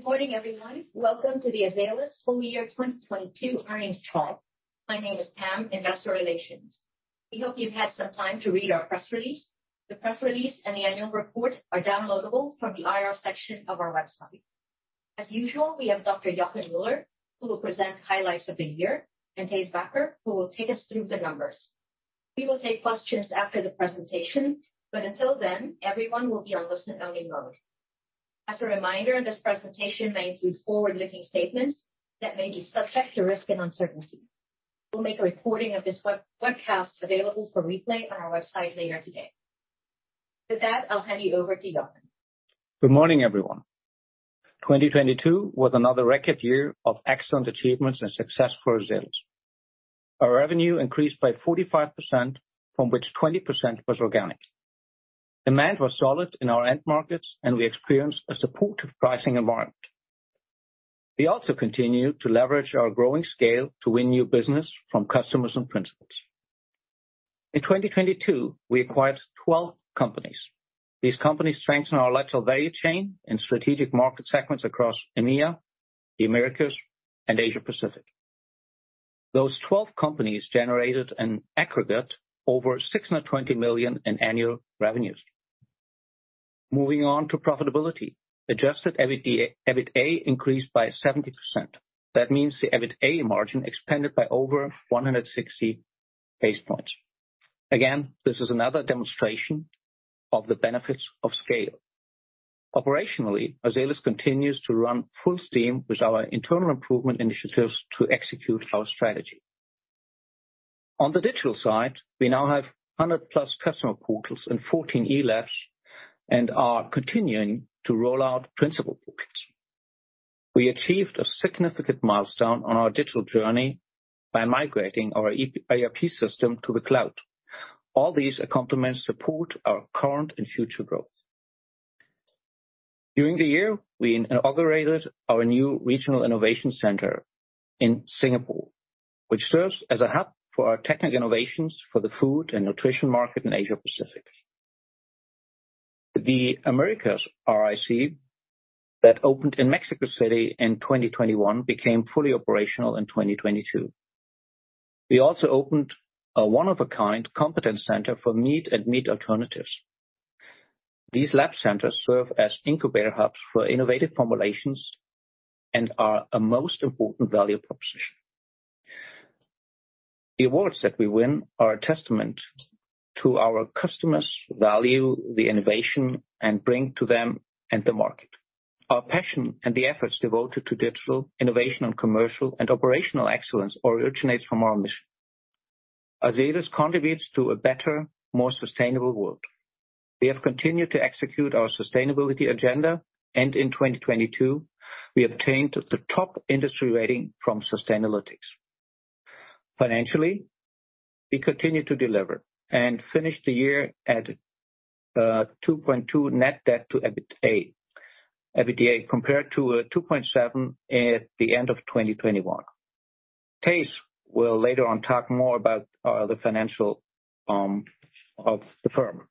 Good morning, everyone. Welcome to the Azelis full year 2022 earnings call. My name is Pamela, Investor Relations. We hope you've had some time to read our press release. The press release and the annual report are downloadable from the IR section of our website. As usual, we have Dr. Joachim Müller, who will present highlights of the year, and Thijs Bakker, who will take us through the numbers. We will take questions after the presentation, but until then, everyone will be on listen only mode. As a reminder, this presentation may include forward-looking statements that may be subject to risk and uncertainty. We'll make a recording of this webcast available for replay on our website later today. With that, I'll hand you over to Joachin. Good morning, everyone. 2022 was another record year of excellent achievements and success for Azelis. Our revenue increased by 45% from which 20% was organic. Demand was solid in our end markets, and we experienced a supportive pricing environment. We also continued to leverage our growing scale to win new business from customers and principals. In 2022, we acquired 12 companies. These companies strengthen our intellectual value chain in strategic market segments across EMEA, the Americas, and Asia Pacific. Those 12 companies generated an aggregate over 620 million in annual revenues. Moving on to profitability. Adjusted EBITDA, EBITA increased by 70%. That means the EBITA margin expanded by over 160 basis points. Again, this is another demonstration of the benefits of scale. Operationally, Azelis continues to run full steam with our internal improvement initiatives to execute our strategy. On the digital side, we now have 100-plus customer portals and 14 e-labs, and are continuing to roll out principal portals. We achieved a significant milestone on our digital journey by migrating our ERP system to the cloud. All these accomplishments support our current and future growth. During the year, we inaugurated our new Regional Innovation Center in Singapore, which serves as a hub for our technical innovations for the Food & Nutrition market in Asia Pacific. The Americas RIC that opened in Mexico City in 2021 became fully operational in 2022. We also opened a 1-of-a-kind Regional Competence Center for Meat and Meat Alternatives. These lab centers serve as incubator hubs for innovative formulations and are a most important value proposition. The awards that we win are a testament to our customers value, the innovation, and bring to them and the market. Our passion and the efforts devoted to digital innovation and commercial and operational excellence originates from our mission. Azelis contributes to a better, more sustainable world. We have continued to execute our sustainability agenda, in 2022, we obtained the top industry rating from Sustainalytics. Financially, we continued to deliver and finish the year at 2.2 net debt to EBITA, EBITDA, compared to 2.7 at the end of 2021. Thijs will later on talk more about the financial of the firm.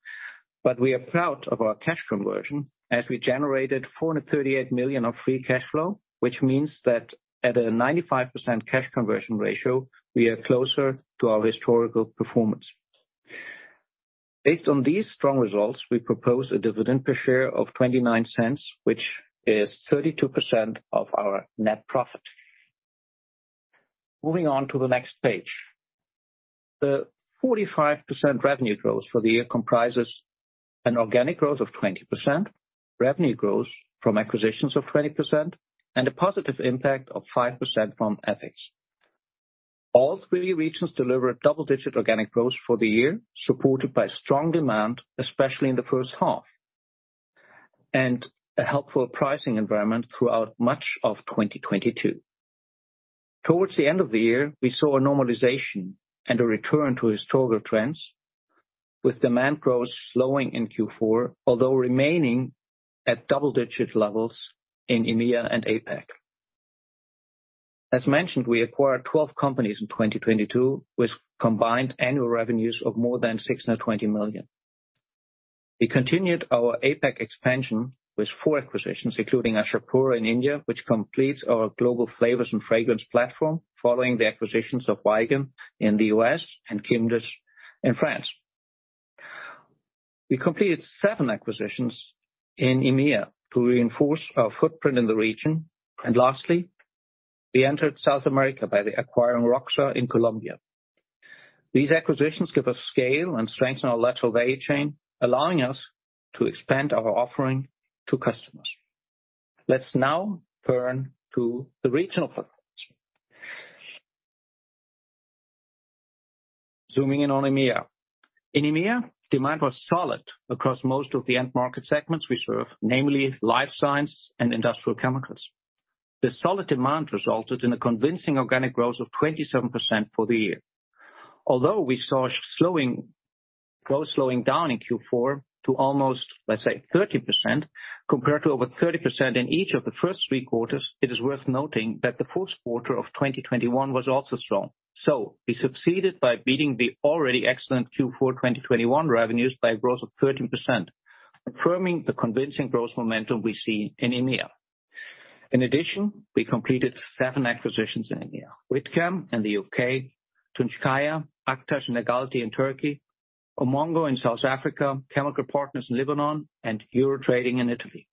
We are proud of our cash conversion as we generated 438 million of free cash flow, which means that at a 95% cash conversion ratio, we are closer to our historical performance. Based on these strong results, we propose a dividend per share of 0.29, which is 32% of our net profit. Moving on to the next page. The 45% revenue growth for the year comprises an organic growth of 20%, revenue growth from acquisitions of 20%, and a positive impact of 5% from FX. All three regions delivered double-digit organic growth for the year, supported by strong demand, especially in the first half, and a helpful pricing environment throughout much of 2022. Towards the end of the year, we saw a normalization and a return to historical trends, with demand growth slowing in Q4, although remaining at double-digit levels in EMEA and APAC. As mentioned, we acquired 12 companies in 2022, with combined annual revenues of more than 620 million. We continued our APAC expansion with 4 acquisitions, including Ashapura in India, which completes our global Flavors & Fragrance platform following the acquisitions of in the Vigon U.S. and Quimdis in France. We completed seven acquisitions in EMEA to reinforce our footprint in the region. Lastly, we entered South America by the acquiring ROCSA in Colombia. These acquisitions give us scale and strengthen our lateral value chain, allowing us to expand our offering to customers. Let's now turn to Zooming in on EMEA. In EMEA, demand was solid across most of the end market segments we serve, namely Life Sciences and Industrial Chemicals. The solid demand resulted in a convincing organic growth of 27% for the year. Although we saw slowing, growth slowing down in Q4 to almost, let's say, 30% compared to over 30% in each of the first three quarters, it is worth noting that the fourth quarter of 2021 was also strong. We succeeded by beating the already excellent Q4 2021 revenues by a growth of 13%, affirming the convincing growth momentum we see in EMEA. In addition, we completed 7 acquisitions in EMEA. WhitChem in the UK, Tunçkaya, Aktaş, and Dağaltı in Turkey, Umongo in South Africa, Chemical Partners in Lebanon, and Eurotrading in Italy.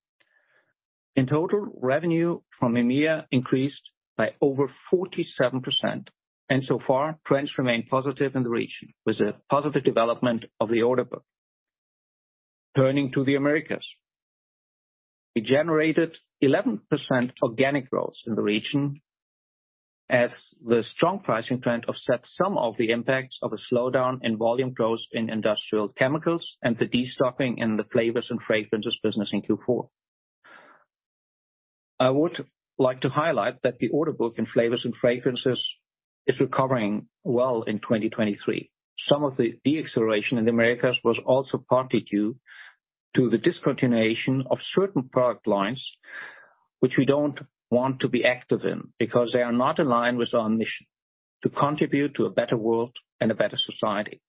In total, revenue from EMEA increased by over 47% and so far trends remain positive in the region with a positive development of the order book. Turning to the Americas. We generated 11% organic growth in the region as the strong pricing trend offset some of the impacts of a slowdown in volume growth in Industrial Chemicals and the destocking in the Flavors and Fragrances business in Q4. I would like to highlight that the order book in Flavors and Fragrances is recovering well in 2023. Some of the deacceleration in the Americas was also partly due to the discontinuation of certain product lines which we don't want to be active in because they are not in line with our mission to contribute to a better world and a better society.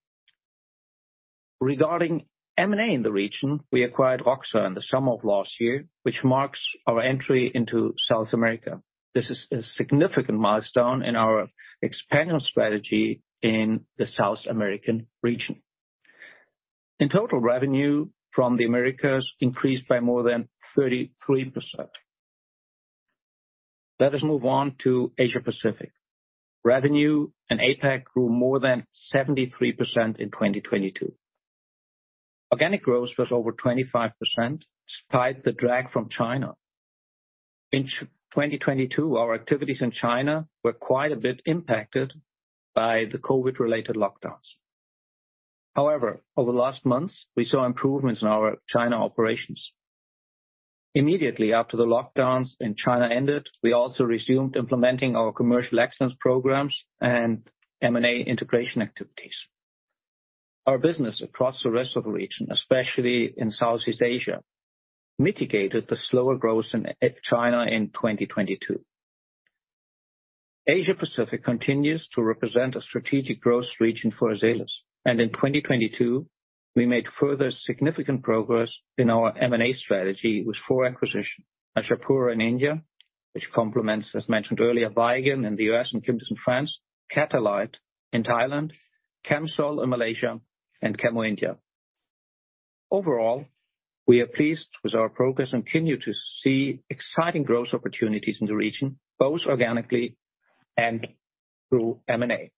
Regarding M&A in the region, we acquired ROCSA in the summer of last year, which marks our entry into South America. This is a significant milestone in our expansion strategy in the South American region. In total, revenue from the Americas increased by more than 33%. Let us move on to Asia-Pacific. Revenue in APAC grew more than 73% in 2022. Organic growth was over 25% despite the drag from China. In 2022, our activities in China were quite a bit impacted by the COVID-related lockdowns. Over the last months, we saw improvements in our China operations. Immediately after the lockdowns in China ended, we also resumed implementing our commercial excellence programs and M&A integration activities. Our business across the rest of the region, especially in Southeast Asia, mitigated the slower growth at China in 2022. Asia-Pacific continues to represent a strategic growth region for Azelis. In 2022, we made further significant progress in our M&A strategy with four acquisitions. Ashapura in India, which complements, as mentioned earlier, Vigon in the U.S. and Quimdis in France, Catalite in Thailand, ChemSol in Malaysia, and Chemo India. We are pleased with our progress and continue to see exciting growth opportunities in the region, both organically and through M&A.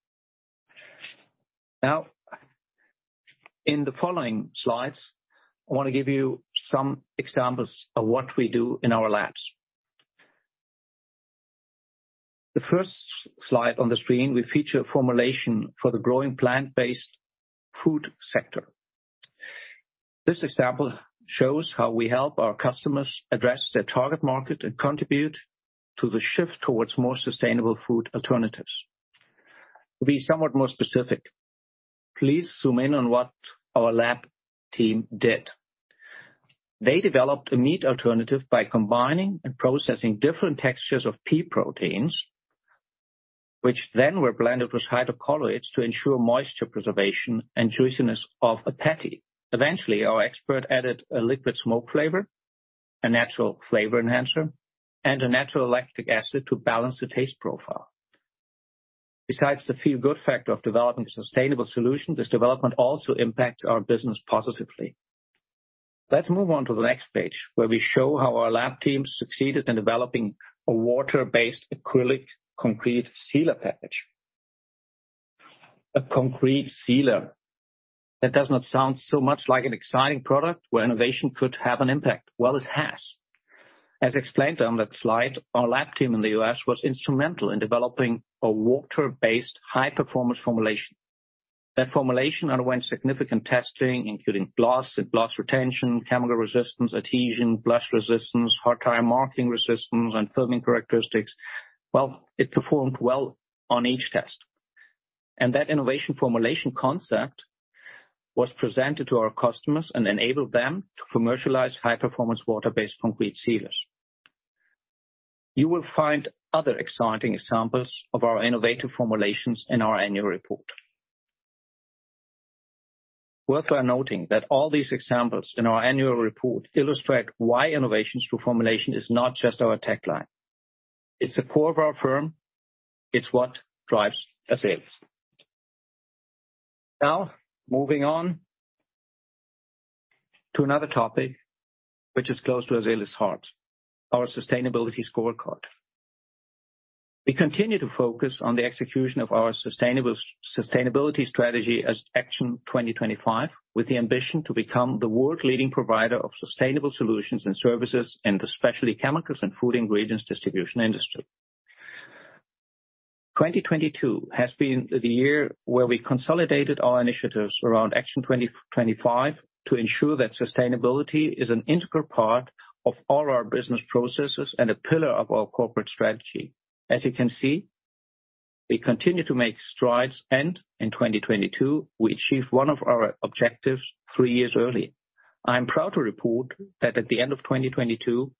In the following slides, I want to give you some examples of what we do in our labs. The first slide on the screen, we feature a formulation for the growing plant-based food sector. This example shows how we help our customers address their target market and contribute to the shift towards more sustainable food alternatives. To be somewhat more specific, please zoom in on what our lab team did. They developed a meat alternative by combining and processing different textures of pea proteins, which then were blended with hydrocolloids to ensure moisture preservation and juiciness of a patty. Eventually, our expert added a liquid smoke flavor, a natural flavor enhancer, and a natural lactic acid to balance the taste profile. Besides the feel-good factor of developing a sustainable solution, this development also impacts our business positively. Let's move on to the next page where we show how our lab teams succeeded in developing a water-based acrylic concrete sealer package. A concrete sealer. That does not sound so much like an exciting product where innovation could have an impact. Well, it has. As explained on that slide, our lab team in the U.S. was instrumental in developing a water-based high-performance formulation. That formulation underwent significant testing, including gloss and gloss retention, chemical resistance, adhesion, blush resistance, hard tire marking resistance, and filming characteristics. Well, it performed well on each test. That innovation formulation concept was presented to our customers and enabled them to commercialize high-performance water-based concrete sealers. You will find other exciting examples of our innovative formulations in our annual report. Worthy of noting that all these examples in our annual report illustrate why innovations through formulation is not just our tagline. It's the core of our firm. It's what drives Azelis. Moving on to another topic which is close to Azelis heart, our sustainability scorecard. We continue to focus on the execution of our sustainability strategy as Action 2025, with the ambition to become the world leading provider of sustainable solutions and services in the specialty chemicals and Food & Nutrition distribution industry. 2022 has been the year where we consolidated our initiatives around Action 2025 to ensure that sustainability is an integral part of all our business processes and a pillar of our corporate strategy. As you can see, we continue to make strides, and in 2022, we achieved one of our objectives 3 years early. I'm proud to report that at the end of 2022,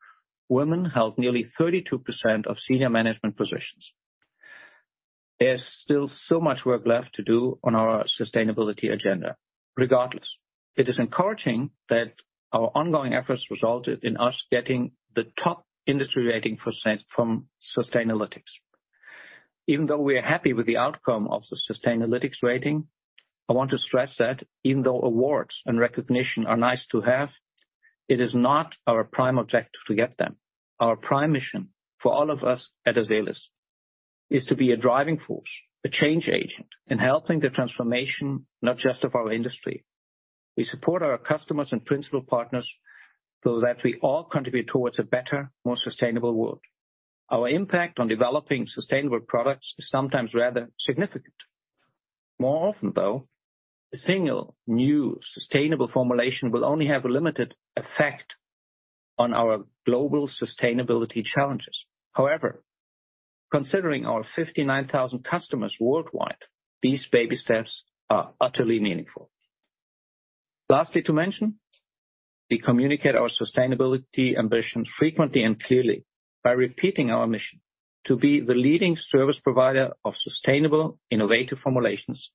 women held nearly 32% of senior management positions. There's still so much work left to do on our sustainability agenda. Regardless, it is encouraging that our ongoing efforts resulted in us getting the top industry rating percent from Sustainalytics. Even though we are happy with the outcome of the Sustainalytics rating, I want to stress that even though awards and recognition are nice to have, it is not our prime objective to get them. Our prime mission for all of us at Azelis is to be a driving force, a change agent in helping the transformation, not just of our industry. We support our customers and principal partners so that we all contribute towards a better, more sustainable world. Our impact on developing sustainable products is sometimes rather significant. More often, though, a single new sustainable formulation will only have a limited effect on our global sustainability challenges. However, considering our 59,000 customers worldwide, these baby steps are utterly meaningful. Lastly to mention, we communicate our sustainability ambitions frequently and clearly by repeating our mission to be the leading service provider of sustainable, innovative formulations.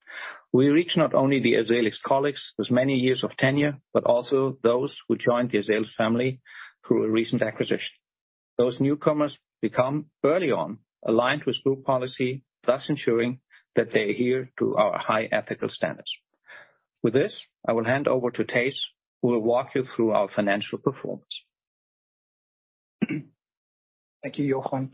We reach not only the Azelis colleagues with many years of tenure, but also those who joined the Azelis family through a recent acquisition. Those newcomers become early on aligned with group policy, thus ensuring that they adhere to our high ethical standards. With this, I will hand over to Thijs, who will walk you through our financial performance. Thank you, Joachim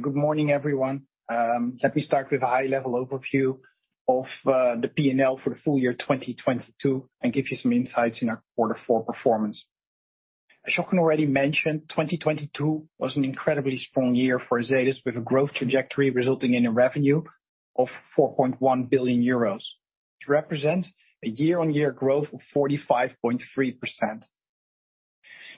Good morning, everyone. Let me start with a high-level overview of the P&L for the full year 2022 and give you some insights in our quarter 4 performance. As Joachim already mentioned, 2022 was an incredibly strong year for Azelis, with a growth trajectory resulting in a revenue of 4.1 billion euros to represent a year-on-year growth of 45.3%.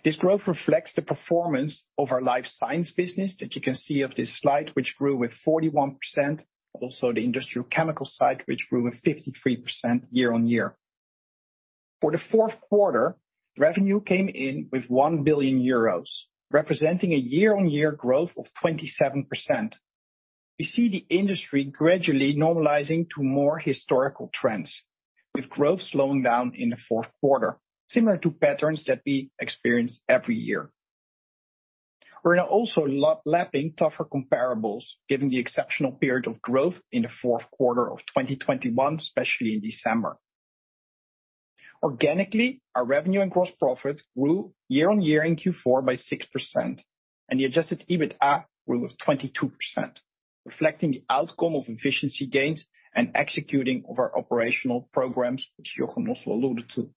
This growth reflects the performance of our Life Science business that you can see of this slide, which grew with 41%. Also the Industrial Chemical side, which grew with 53% year-on-year. For the fourth quarter, revenue came in with 1 billion euros, representing a year-on-year growth of 27%. We see the industry gradually normalizing to more historical trends, with growth slowing down in the fourth quarter, similar to patterns that we experience every year. We're now also lap-lapping tougher comparables, given the exceptional period of growth in the fourth quarter of 2021, especially in December. Organically, our revenue and gross profit grew year-on-year in Q4 by 6%, and the adjusted EBITA grew of 22%, reflecting the outcome of efficiency gains and executing of our operational programs, which Joachim also alluded to.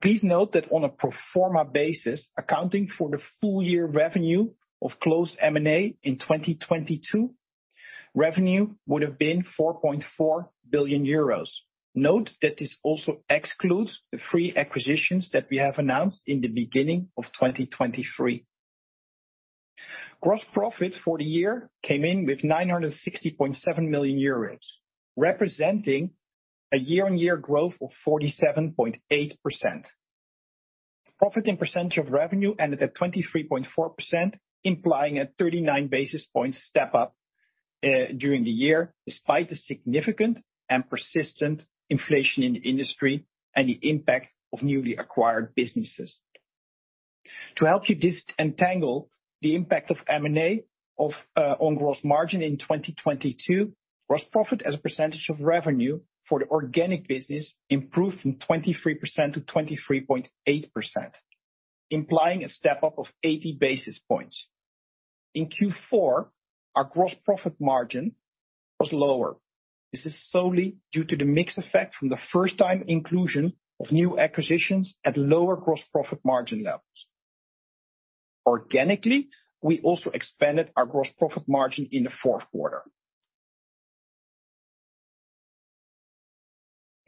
Please note that on a pro forma basis, accounting for the full year revenue of closed M&A in 2022, revenue would have been 4.4 billion euros. Note that this also excludes the 3 acquisitions that we have announced in the beginning of 2023. Gross profit for the year came in with 960.7 million euros, representing a year-on-year growth of 47.8%. Profit in percentage of revenue ended at 23.4%, implying a 39 basis point step up during the year, despite the significant and persistent inflation in the industry and the impact of newly acquired businesses. To help you disentangle the impact of M&A on gross margin in 2022, gross profit as a percentage of revenue for the organic business improved from 23%-23.8%, implying a step up of 80 basis points. In Q4, our gross profit margin was lower. This is solely due to the mix effect from the first time inclusion of new acquisitions at lower gross profit margin levels. Organically, we also expanded our gross profit margin in the fourth quarter.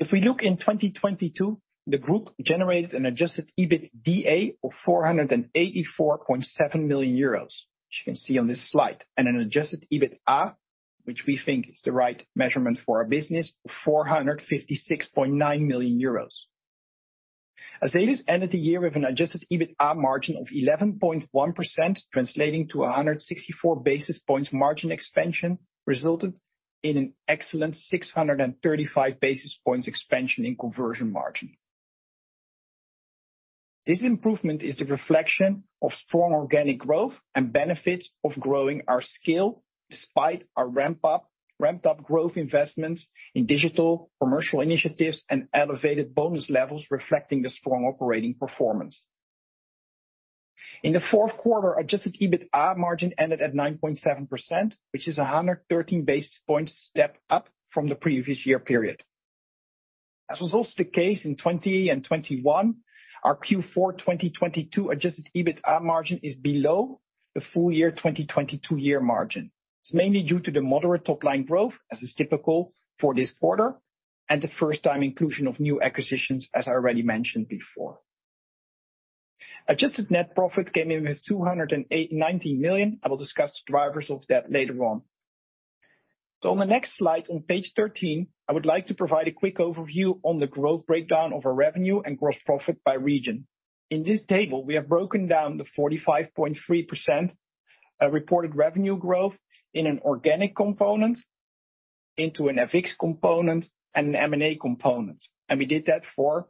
If we look in 2022, the group generated an adjusted EBITDA of 484.7 million euros, which you can see on this slide, and an adjusted EBITA, which we think is the right measurement for our business, of 456.9 million euros. Azelis ended the year with an adjusted EBITA margin of 11.1%, translating to 164 basis points margin expansion, resulted in an excellent 635 basis points expansion in conversion margin. This improvement is the reflection of strong organic growth and benefits of growing our scale despite our ramped up growth investments in digital commercial initiatives and elevated bonus levels reflecting the strong operating performance. In the fourth quarter, adjusted EBITA margin ended at 9.7%, which is 113 basis points step up from the previous year period. As was also the case in 2020 and 2021, our Q4 2022 adjusted EBITA margin is below the full year 2022 year margin. It's mainly due to the moderate top-line growth, as is typical for this quarter, and the first time inclusion of new acquisitions, as I already mentioned before. Adjusted net profit came in with 219 million. I will discuss the drivers of that later on. On the next slide on page 13, I would like to provide a quick overview on the growth breakdown of our revenue and gross profit by region. In this table, we have broken down the 45.3% reported revenue growth in an organic component into an FX component and an M&A component. We did that for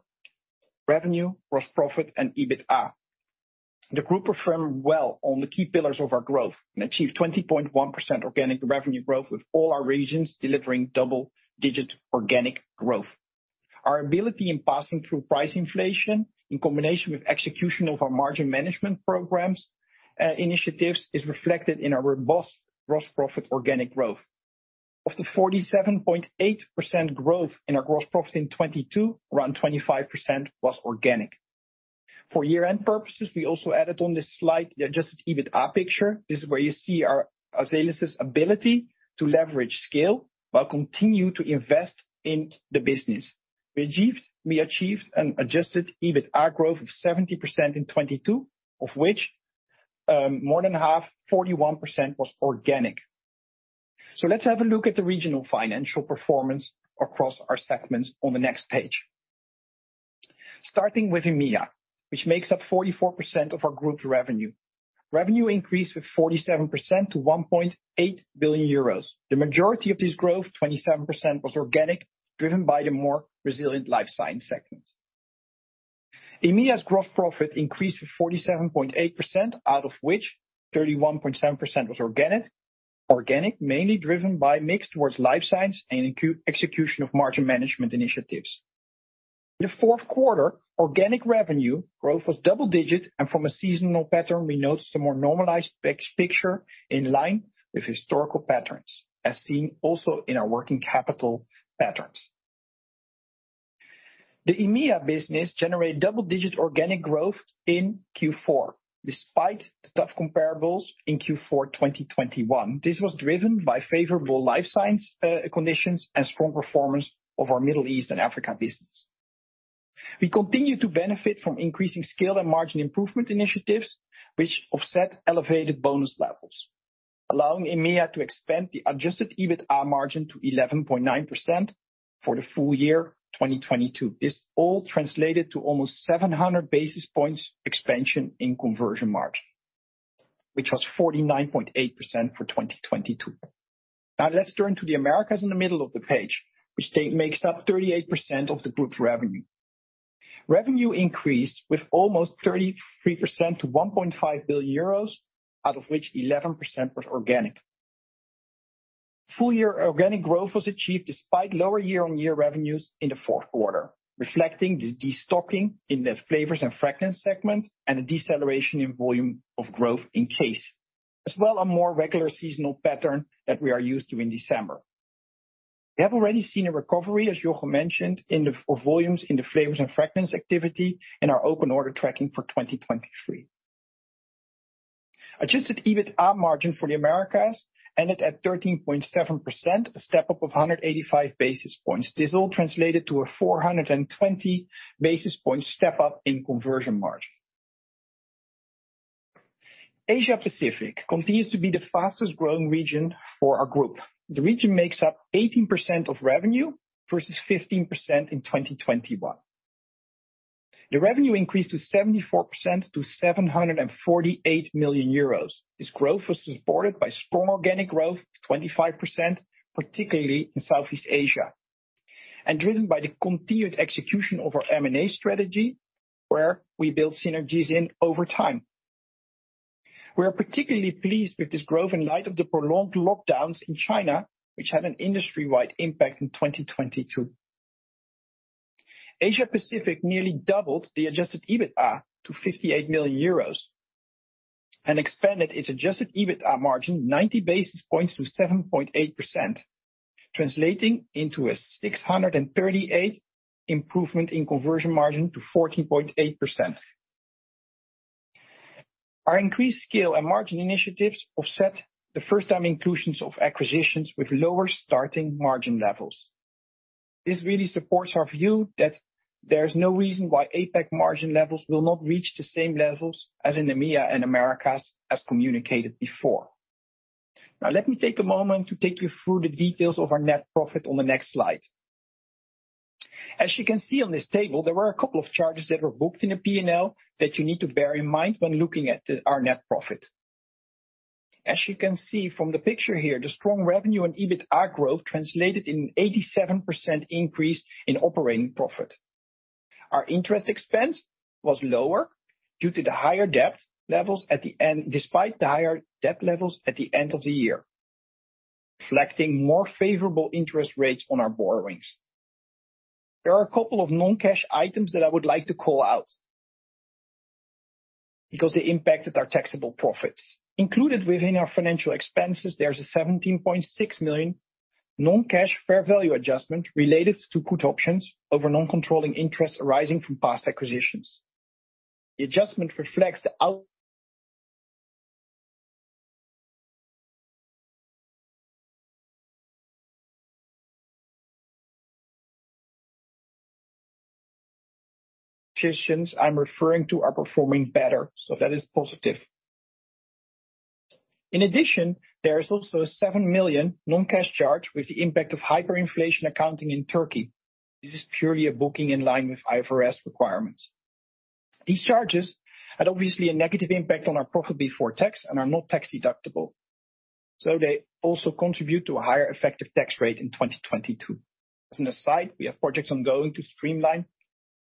revenue, gross profit and EBITA. The group performed well on the key pillars of our growth and achieved 20.1% organic revenue growth, with all our regions delivering double-digit organic growth. Our ability in passing through price inflation in combination with execution of our margin management programs, initiatives is reflected in our robust gross profit organic growth. Of the 47.8% growth in our gross profit in 2022, around 25% was organic. For year-end purposes, we also added on this slide the adjusted EBITA picture. This is where you see Azelis' ability to leverage scale while continuing to invest in the business. We achieved an adjusted EBITA growth of 70% in 2022, of which, more than half, 41% was organic. Let's have a look at the regional financial performance across our segments on the next page. Starting with EMEA, which makes up 44% of our group revenue. Revenue increased with 47% to 1.8 billion euros. The majority of this growth, 27%, was organic, driven by the more resilient Life Sciences segment. EMEA's gross profit increased to 47.8%, out of which 31.7% was organic, mainly driven by mix towards Life Sciences and execution of margin management initiatives. In the fourth quarter, organic revenue growth was double-digit and from a seasonal pattern, we noticed a more normalized picture in line with historical patterns, as seen also in our working capital patterns. The EMEA business generated double-digit organic growth in Q4, despite the tough comparables in Q4, 2021. This was driven by favorable Life Sciences conditions and strong performance of our Middle East and Africa business. We continue to benefit from increasing scale and margin improvement initiatives which offset elevated bonus levels, allowing EMEA to expand the adjusted EBITA margin to 11.9% for the full year 2022. This all translated to almost 700 basis points expansion in conversion margin, which was 49.8% for 2022. Let's turn to the Americas in the middle of the page, which makes up 38% of the group's revenue. Revenue increased with almost 33% to 1.5 billion euros, out of which 11% was organic. Full year organic growth was achieved despite lower year-on-year revenues in the fourth quarter, reflecting the de-stocking in the Flavours & Fragrance segment and a deceleration in volume of growth in CASE, as well a more regular seasonal pattern that we are used to in December. We have already seen a recovery, as Joachim mentioned, in the volumes in the Flavours & Fragrance activity in our open order tracking for 2023. Adjusted EBITA margin for the Americas ended at 13.7%, a step up of 185 basis points. This all translated to a 420 basis points step up in conversion margin. Asia Pacific continues to be the fastest growing region for our group. The region makes up 18% of revenue versus 15% in 2021. The revenue increased to 74% to 748 million euros. This growth was supported by strong organic growth, 25%, particularly in Southeast Asia, and driven by the continued execution of our M&A strategy, where we build synergies in over time. We are particularly pleased with this growth in light of the prolonged lockdowns in China, which had an industry-wide impact in 2022. Asia Pacific nearly doubled the adjusted EBITA to 58 million euros and expanded its adjusted EBITA margin 90 basis points to 7.8%, translating into a 638 improvement in conversion margin to 14.8%. Our increased scale and margin initiatives offset the first time inclusions of acquisitions with lower starting margin levels. This really supports our view that there's no reason why APAC margin levels will not reach the same levels as in EMEA and Americas as communicated before. Let me take a moment to take you through the details of our net profit on the next slide. As you can see on this table, there were a couple of charges that were booked in the P&L that you need to bear in mind when looking at our net profit. As you can see from the picture here, the strong revenue and EBITA growth translated in 87% increase in operating profit. Our interest expense was lower despite the higher debt levels at the end of the year, reflecting more favorable interest rates on our borrowings. There are a couple of non-cash items that I would like to call out because they impacted our taxable profits. Included within our financial expenses, there's a 17.6 million non-cash fair value adjustment related to put options over non-controlling interests arising from past acquisitions. The adjustment reflects the acquisitions I'm referring to are performing better, that is positive. In addition, there is also 7 million non-cash charge with the impact of hyperinflation accounting in Turkey. This is purely a booking in line with IFRS requirements. These charges had obviously a negative impact on our profit before tax and are not tax-deductible, they also contribute to a higher effective tax rate in 2022. As an aside, we have projects ongoing to streamline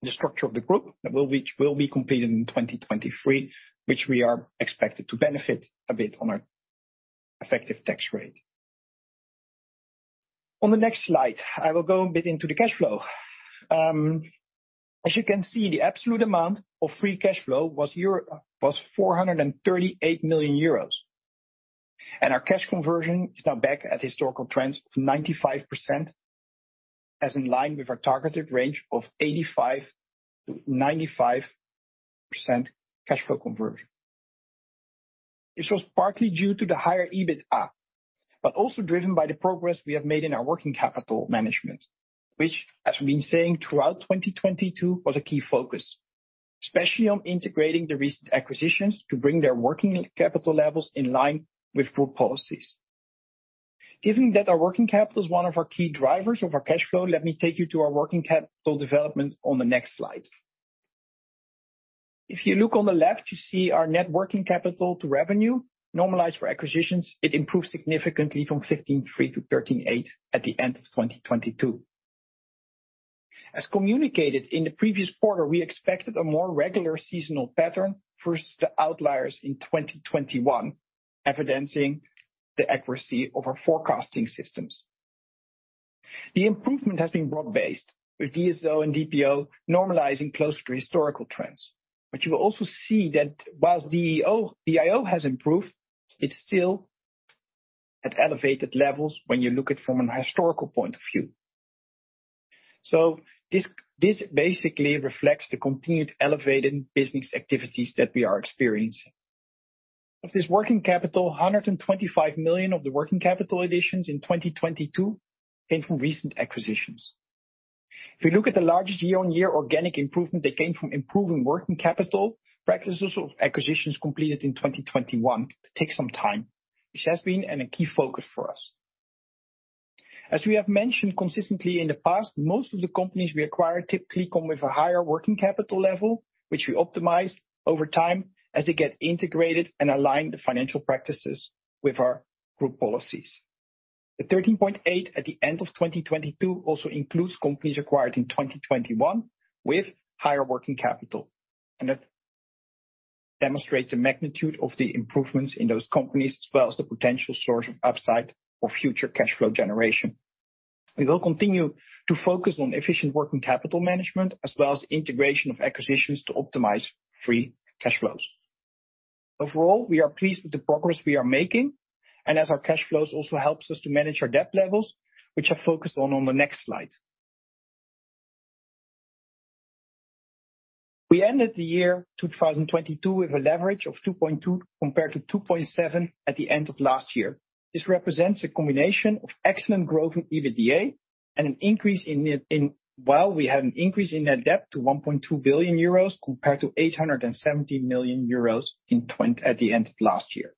the structure of the Group that will be completed in 2023, which we are expected to benefit a bit on our effective tax rate. On the next slide, I will go a bit into the cash flow. As you can see, the absolute amount of free cash flow was 438 million euros. Our cash conversion is now back at historical trends of 95% as in line with our targeted range of 85%-95% cash conversion. This was partly due to the higher EBITDA, but also driven by the progress we have made in our working capital management. As we've been saying throughout 2022, was a key focus, especially on integrating the recent acquisitions to bring their working capital levels in line with Group policies. Given that our working capital is one of our key drivers of our cash flow, let me take you to our working capital development on the next slide. If you look on the left, you see our net working capital to revenue normalized for acquisitions. It improved significantly from 15.3%-13.8% at the end of 2022. As communicated in the previous quarter, we expected a more regular seasonal pattern versus the outliers in 2021, evidencing the accuracy of our forecasting systems. The improvement has been broad-based, with DSO and DPO normalizing close to historical trends. You will also see that whilst DIO has improved, it's still at elevated levels when you look it from an historical point of view. This basically reflects the continued elevated business activities that we are experiencing. Of this working capital, 125 million of the working capital additions in 2022 came from recent acquisitions. If you look at the largest year-on-year organic improvement that came from improving working capital, practices of acquisitions completed in 2021 take some time. This has been a key focus for us. As we have mentioned consistently in the past, most of the companies we acquire typically come with a higher working capital level, which we optimize over time as they get integrated and align the financial practices with our group policies. The 13.8% at the end of 2022 also includes companies acquired in 2021 with higher working capital, That demonstrates the magnitude of the improvements in those companies, as well as the potential source of upside for future cash flow generation. We will continue to focus on efficient working capital management as well as integration of acquisitions to optimize free cash flows. Overall, we are pleased with the progress we are making as our cash flows also helps us to manage our debt levels, which I've focused on the next slide. We ended the year 2022 with a leverage of 2.2 compared to 2.7 at the end of last year. This represents a combination of excellent growth in EBITDA while we had an increase in net debt to 1.2 billion euros compared to 870 million euros at the end of last year.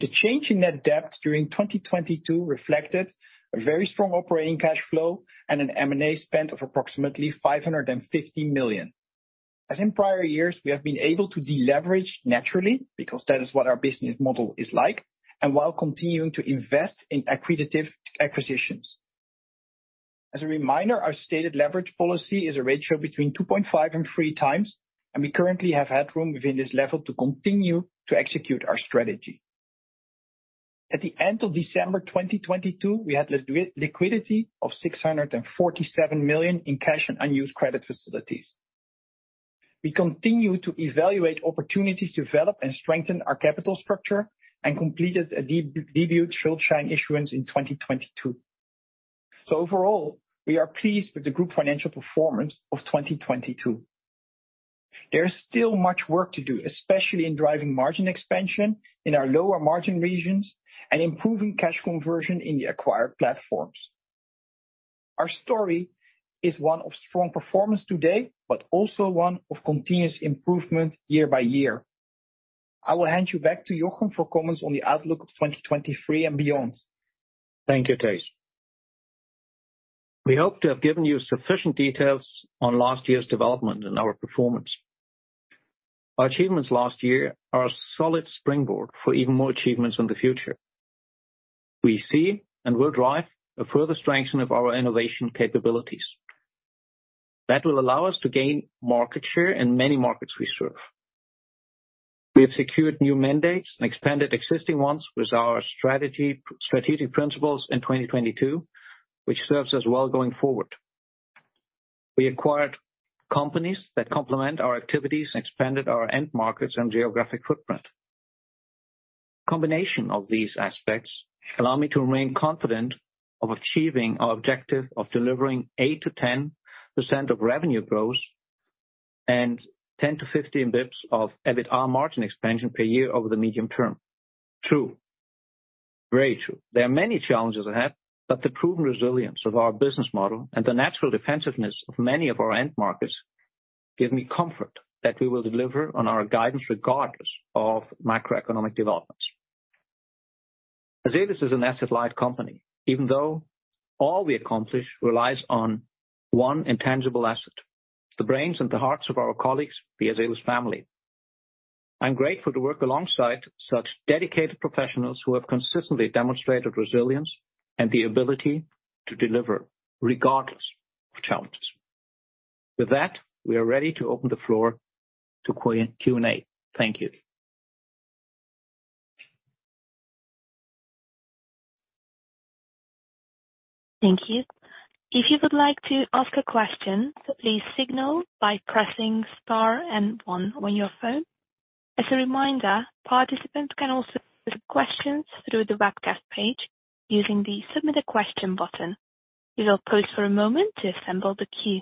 The change in net debt during 2022 reflected a very strong operating cash flow and an M&A spend of approximately 550 million. As in prior years, we have been able to deleverage naturally because that is what our business model is like, and while continuing to invest in accretive acquisitions. As a reminder, our stated leverage policy is a ratio between 2.5 and 3 times, and we currently have headroom within this level to continue to execute our strategy. At the end of December 2022, we had liquidity of 647 million in cash and unused credit facilities. We continue to evaluate opportunities to develop and strengthen our capital structure and completed a debut high yield bond issuance in 2022. Overall, we are pleased with the group financial performance of 2022. There is still much work to do, especially in driving margin expansion in our lower margin regions and improving cash conversion in the acquired platforms. Our story is one of strong performance today, but also one of continuous improvement year by year. I will hand you back to Joachim for comments on the outlook of 2023 and beyond. Thank you, Thijs. We hope to have given you sufficient details on last year's development and our performance. Our achievements last year are a solid springboard for even more achievements in the future. We see and will drive a further strengthening of our innovation capabilities. That will allow us to gain market share in many markets we serve. We have secured new mandates and expanded existing ones with our strategy, strategic principles in 2022, which serves us well going forward. We acquired companies that complement our activities and expanded our end markets and geographic footprint. Combination of these aspects allow me to remain confident of achieving our objective of delivering 8%-10% of revenue growth and 10-15 basis points of EBITDA margin expansion per year over the medium term. Very true. There are many challenges ahead, but the proven resilience of our business model and the natural defensiveness of many of our end markets give me comfort that we will deliver on our guidance regardless of macroeconomic developments. Azelis is an asset-light company, even though all we accomplish relies on one intangible asset, the brains and the hearts of our colleagues, the Azelis family. I'm grateful to work alongside such dedicated professionals who have consistently demonstrated resilience and the ability to deliver regardless of challenges. With that, we are ready to open the floor to Q&A. Thank you. Thank you. If you would like to ask a question, please signal by pressing Star and one on your phone. As a reminder, participants can also put questions through the webcast page using the Submit a Question button. We will pause for a moment to assemble the queue.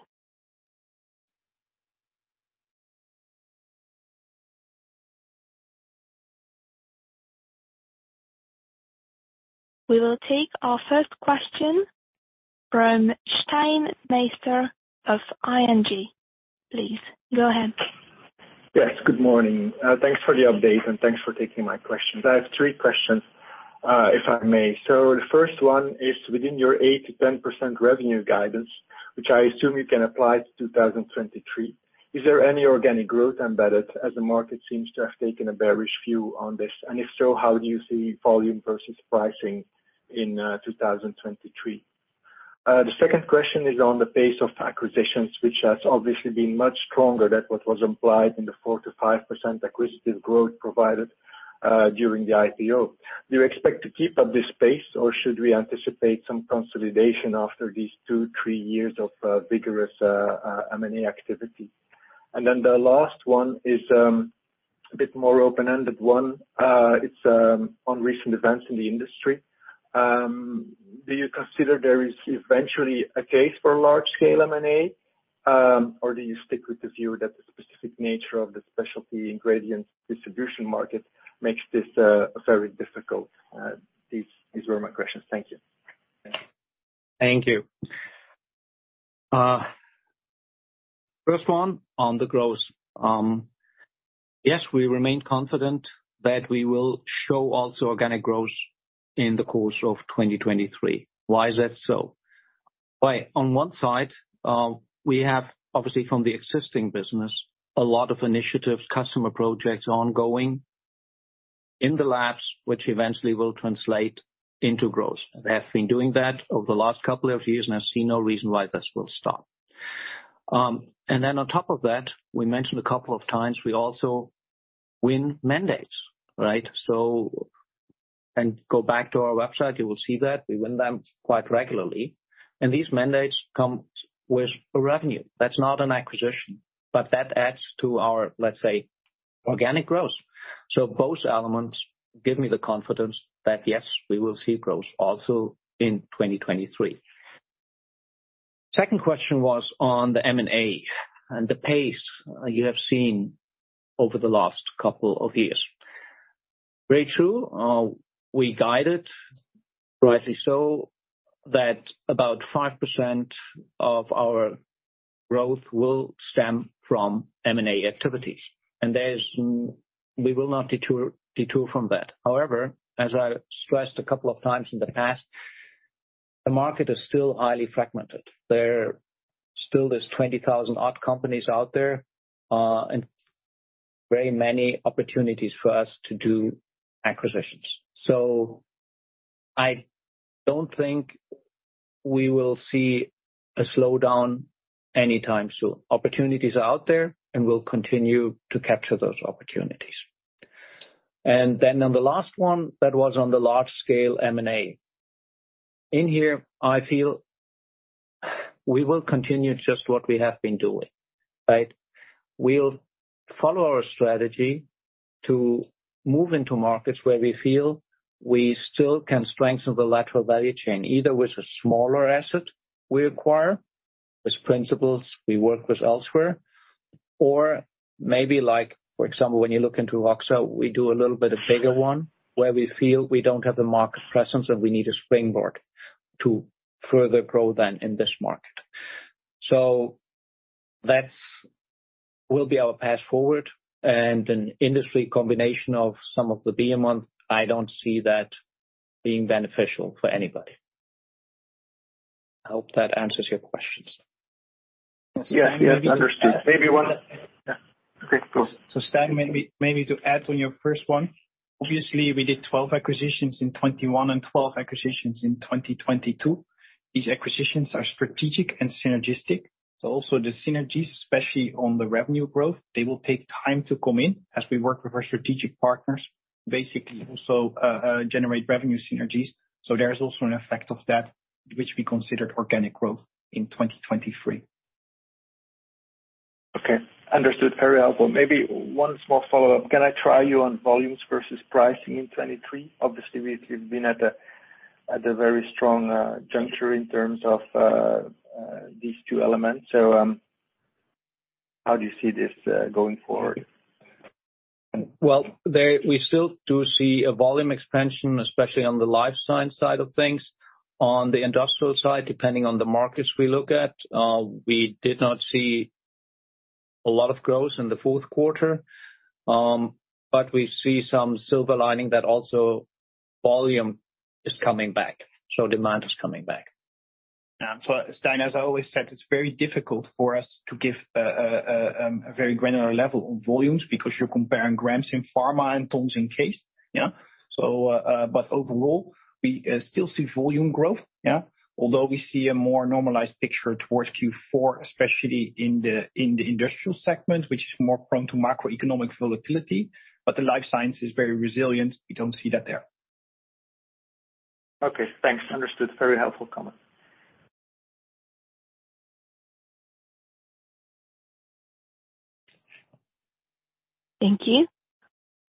We will take our first question from Steyn Demeester of ING. Please go ahead. Yes, good morning. thanks for the update, and thanks for taking my questions. I have three questions, if I may. The first one is within your 8%-10% revenue guidance, which I assume you can apply to 2023. Is there any organic growth embedded as the market seems to have taken a bearish view on this? If so, how do you see volume versus pricing in 2023? The second question is on the pace of acquisitions, which has obviously been much stronger than what was implied in the 4%-5% acquisitive growth provided, during the IPO. Do you expect to keep up this pace, or should we anticipate some consolidation after these 2, 3 years of vigorous M&A activity? The last one is a bit more open-ended one. It's on recent events in the industry. Do you consider there is eventually a case for large-scale M&A, or do you stick with the view that the specific nature of the specialty ingredients distribution market makes this very difficult? These were my questions. Thank you. Thank you. First one on the growth. Yes, we remain confident that we will show also organic growth in the course of 2023. Why is that so? On one side, we have obviously, from the existing business, a lot of initiatives, customer projects ongoing in the labs, which eventually will translate into growth. They have been doing that over the last couple of years, I see no reason why this will stop. On top of that, we mentioned a couple of times we also win mandates, right? Go back to our website, you will see that we win them quite regularly. These mandates come with revenue. That's not an acquisition, but that adds to our, let's say, organic growth. Both elements give me the confidence that, yes, we will see growth also in 2023. Second question was on the M&A and the pace you have seen over the last couple of years. Very true, we guided rightly so that about 5% of our growth will stem from M&A activities. We will not detour from that. However, as I stressed a couple of times in the past, the market is still highly fragmented. There still is 20,000 odd companies out there, and very many opportunities for us to do acquisitions. I don't think we will see a slowdown anytime soon. Opportunities are out there, and we'll continue to capture those opportunities. On the last one, that was on the large scale M&A. In here, I feel we will continue just what we have been doing, right? We'll follow our strategy to move into markets where we feel we still can strengthen the lateral value chain, either with a smaller asset we acquire, with principals we work with elsewhere, or maybe like for example, when you look into OXEA, we do a little bit of bigger one where we feel we don't have the market presence and we need a springboard to further grow then in this market. That's will be our path forward. An industry combination of some of the behemoth, I don't see that being beneficial for anybody. I hope that answers your questions. Yes. Yes. Understood. Maybe one- Yeah. Okay, cool. Stan, maybe to add on your first one, obviously we did 12 acquisitions in 2021 and 12 acquisitions in 2022. These acquisitions are strategic and synergistic. Also the synergies, especially on the revenue growth, they will take time to come in as we work with our strategic partners, basically also generate revenue synergies. There is also an effect of that which we considered organic growth in 2023. Okay, understood. Very helpful. Maybe one small follow-up. Can I try you on volumes versus pricing in 23? Obviously, we've been at a very strong juncture in terms of these two elements. How do you see this going forward? Well, we still do see a volume expansion, especially on the Life Sciences side of things. On the industrial side, depending on the markets we look at, we did not see a lot of growth in the fourth quarter. We see some silver lining that also volume is coming back, demand is coming back. Stein, as I always said, it's very difficult for us to give a very granular level on volumes because you're comparing grams in pharma and tons in CASE. Overall, we still see volume growth. Although we see a more normalized picture towards Q4 especially in the Industrial segment, which is more prone to macroeconomic volatility. The Life Sciences is very resilient. We don't see that there. Okay, thanks. Understood. Very helpful comment. Thank you.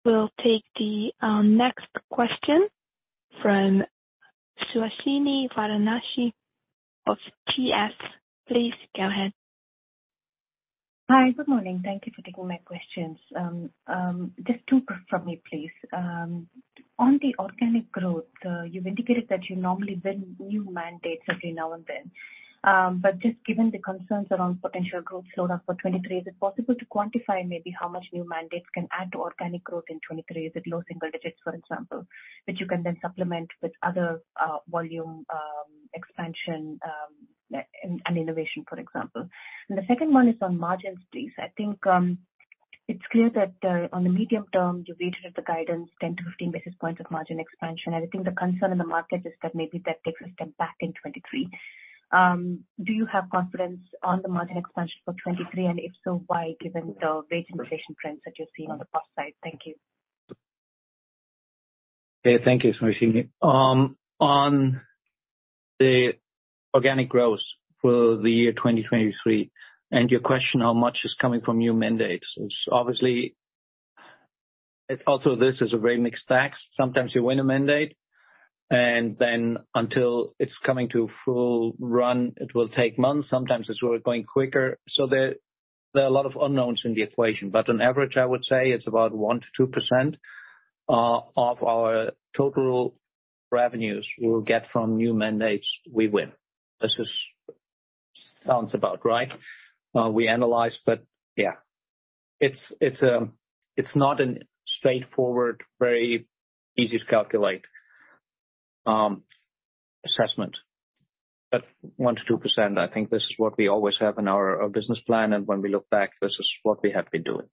We'll take the next question from Suhasini Varanasi of Goldman Sachs. Please go ahead. Hi. Good morning. Thank you for taking my questions. Just two from me, please. On the organic growth, you've indicated that you normally win new mandates every now and then. But just given the concerns around potential growth slowed up for 2023, is it possible to quantify maybe how much new mandates can add to organic growth in 2023? Is it low single digits, for example, which you can then supplement with other volume expansion and innovation, for example? The second one is on margins, please. I think it's clear that on the medium term, you've reiterated the guidance 10 to 15 basis points of margin expansion. I think the concern in the market is that maybe that takes a step back in 2023. Do you have confidence on the margin expansion for 2023? If so, why, given the rate inflation trends that you're seeing on the cost side? Thank you. Thank you, Suhasini. On the organic growth for the year 2023 and your question, how much is coming from new mandates? Obviously, it's also this is a very mixed bag. Sometimes you win a mandate, and then until it's coming to full run, it will take months. Sometimes it's going quicker. There are a lot of unknowns in the equation. On average, I would say it's about 1%-2% of our total revenues we'll get from new mandates we win. This is sounds about right. We analyze. It's not a straightforward, very easy to calculate assessment. 1%-2%, I think this is what we always have in our business plan, and when we look back, this is what we have been doing.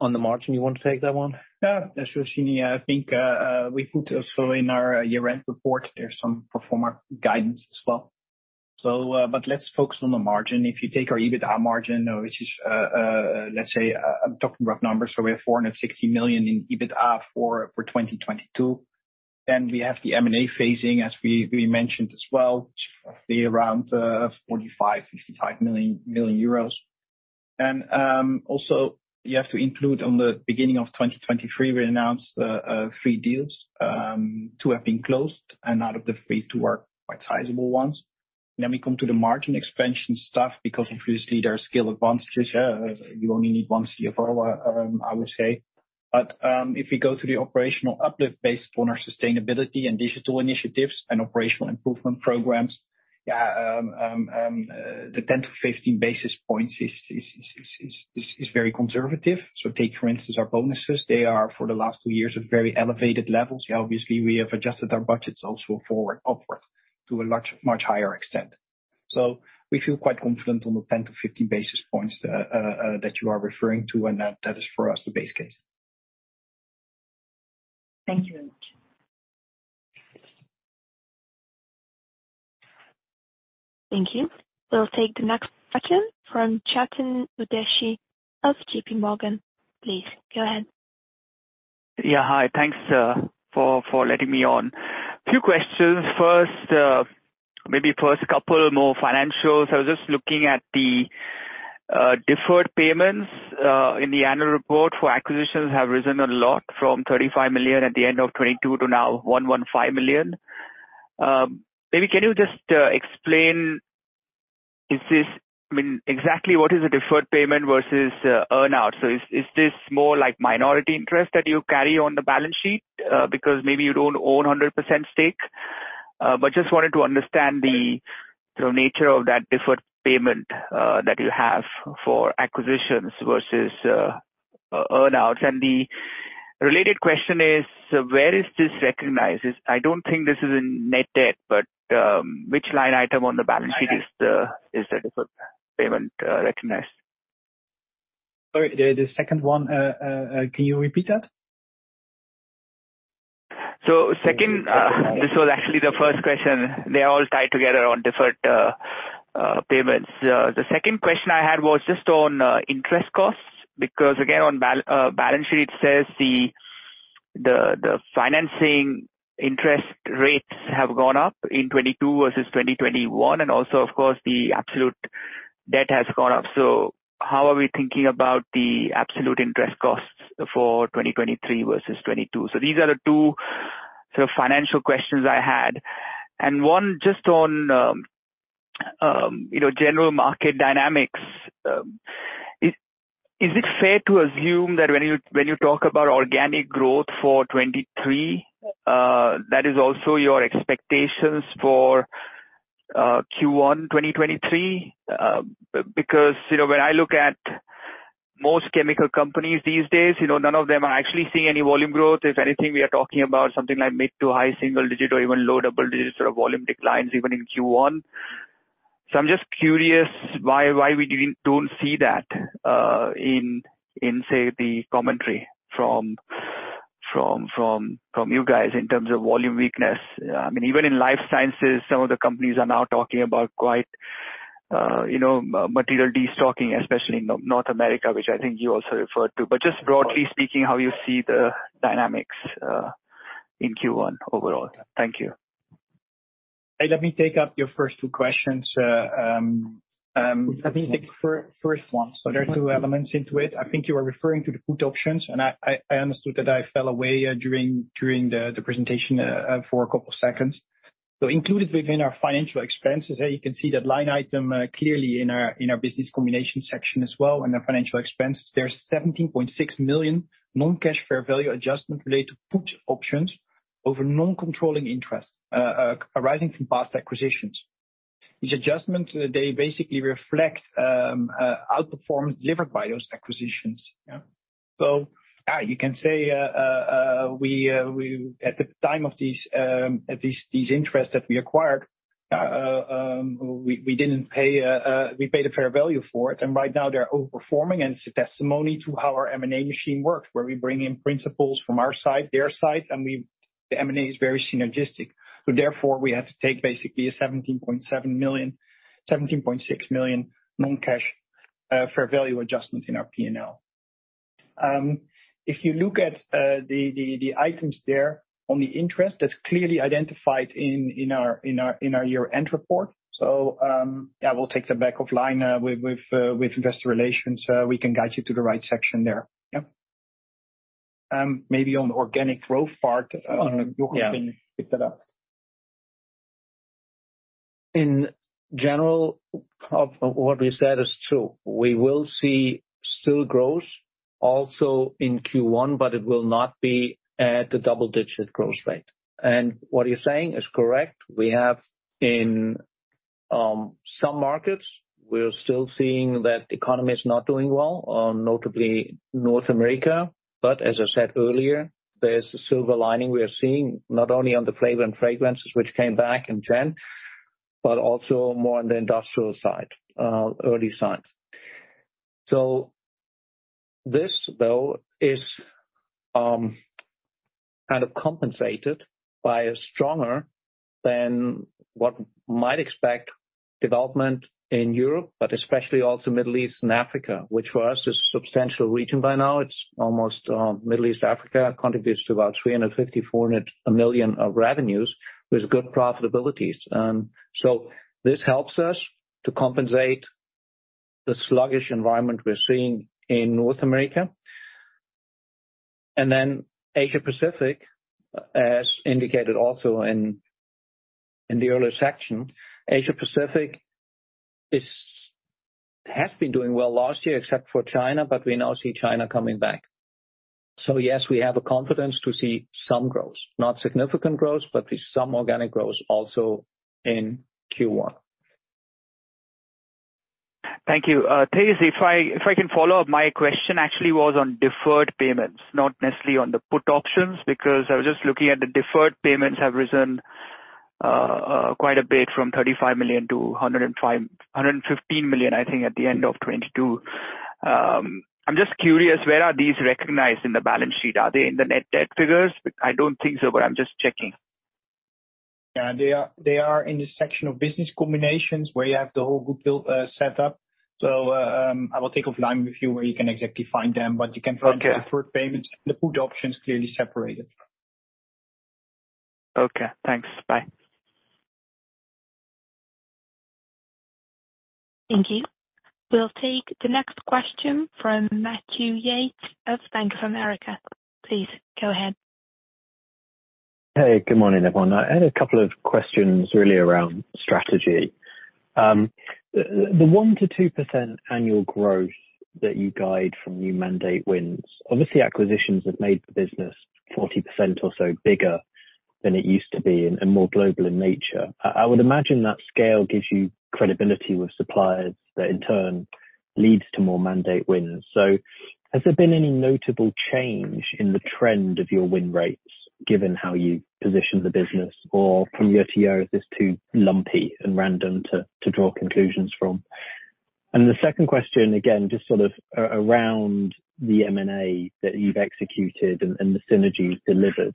On the margin, you want to take that one? Suhasini, I think we think also in our year-end report, there's some pro forma guidance as well. Let's focus on the margin. If you take our EBITDA margin, which is, let's say, I'm talking about numbers, we have 460 million in EBITDA for 2022. We have the M&A phasing, as we mentioned as well, be around 45 million-55 million. Also, you have to include on the beginning of 2023, we announced three deals. Two have been closed out of the three, two are quite sizable ones. We come to the margin expansion stuff because obviously there are skill advantages. You only need one CFO, I would say. If we go to the operational uplift based on our sustainability and digital initiatives and operational improvement programs, the 10 to 15 basis points is very conservative. Take, for instance, our bonuses. They are for the last 2 years at very elevated levels. Obviously, we have adjusted our budgets also forward upward to a much higher extent. We feel quite confident on the 10 to 15 basis points that you are referring to, and that is for us the base case. Thank you very much. Thank you. We'll take the next question from Chetan Udeshi of JPMorgan. Please go ahead. Hi. Thanks for letting me on. Few questions. First, maybe a couple more financials. I was just looking at the deferred payments in the annual report for acquisitions have risen a lot from 35 million at the end of 2022 to now 115 million. Maybe can you just explain, I mean, exactly what is a deferred payment versus earn-out? Is this more like minority interest that you carry on the balance sheet because maybe you don't own 100% stake? But just wanted to understand the nature of that deferred payment that you have for acquisitions versus earn-outs. The related question is, where is this recognized? I don't think this is in net debt, but, which line item on the balance sheet is the deferred payment recognized? Sorry, the second one, can you repeat that? Second, this was actually the first question. They're all tied together on deferred payments. The second question I had was just on interest costs, because again, on balance sheet, it says the financing interest rates have gone up in 2022 versus 2021. Also, of course, the absolute debt has gone up. How are we thinking about the absolute interest costs for 2023 versus 2022? These are the two financial questions I had, and one just on, you know, general market dynamics. Is it fair to assume that when you, when you talk about organic growth for 2023, that is also your expectations for Q1 2023? Because, you know, when I look at most chemical companies these days, you know, none of them are actually seeing any volume growth. If anything, we are talking about something like mid to high single-digit or even low double-digit sort of volume declines even in Q1. I'm just curious why we don't see that in say the commentary from you guys in terms of volume weakness. I mean, even in Life Sciences, some of the companies are now talking about quite, you know, material destocking, especially in North America, which I think you also referred to. Just broadly speaking, how you see the dynamics in Q1 overall? Thank you. Hey, let me take up your first two questions. Let me take first one. There are two elements into it. I think you are referring to the put options, and I understood that I fell away during the presentation for a couple seconds. Included within our financial expenses, and you can see that line item clearly in our business combination section as well, under financial expenses, there's 17.6 million non-cash fair value adjustment related to put options over non-controlling interest arising from past acquisitions. These adjustments, they basically reflect outperformance delivered by those acquisitions. Yeah. You can say, we... At the time of these interests that we acquired, we didn't pay, we paid a fair value for it, and right now they're overperforming, and it's a testimony to how our M&A machine works, where we bring in principals from our side, their side, and the M&A is very synergistic. Therefore, we have to take basically a 17.6 million non-cash fair value adjustment in our P&L. If you look at the items there on the interest, that's clearly identified in our year-end report. Yeah, we'll take the back of line with investor relations. We can guide you to the right section there. Yeah. Maybe on the organic growth part. Yeah. Joachim can pick that up. In general, what we said is true. We will see still growth also in Q1, but it will not be at the double-digit growth rate. What you're saying is correct. We have in some markets, we're still seeing that economy is not doing well, notably North America. As I said earlier, there's a silver lining we are seeing, not only on the flavor and fragrances which came back in January, but also more on the industrial side, early signs. This, though, is kind of compensated by a stronger than what might expect development in Europe, but especially also Middle East and Africa, which for us is a substantial region by now. It's almost Middle East, Africa contributes to about 350 million-400 million of revenues with good profitabilities. This helps us to compensate the sluggish environment we're seeing in North America. Asia-Pacific, as indicated also in the earlier section, Asia-Pacific has been doing well last year except for China. We now see China coming back. Yes, we have a confidence to see some growth. Not significant growth, but there's some organic growth also in Q1. Thank you. Thijs, if I can follow up, my question actually was on deferred payments, not necessarily on the put options, because I was just looking at the deferred payments have risen quite a bit from 35 million to 115 million, I think, at the end of 2022. I'm just curious, where are these recognized in the balance sheet? Are they in the net debt figures? I don't think so, but I'm just checking. Yeah. They are in the section of business combinations where you have the whole good deal, set up. I will take offline with you where you can exactly find them, but you can Okay. The deferred payments and the put options clearly separated. Okay, thanks. Bye. Thank you. We'll take the next question from Matthew Yates of Bank of America. Please go ahead. Hey, good morning, everyone. I had a couple of questions really around strategy. The, the 1% -2% annual growth that you guide from new mandate wins, obviously acquisitions have made the business 40% or so bigger than it used to be and more global in nature. I would imagine that scale gives you credibility with suppliers that in turn leads to more mandate wins. Has there been any notable change in the trend of your win rates given how you position the business or from year-to-year is this too lumpy and random to draw conclusions from? The second question, again, just sort of around the M&A that you've executed and the synergies delivered.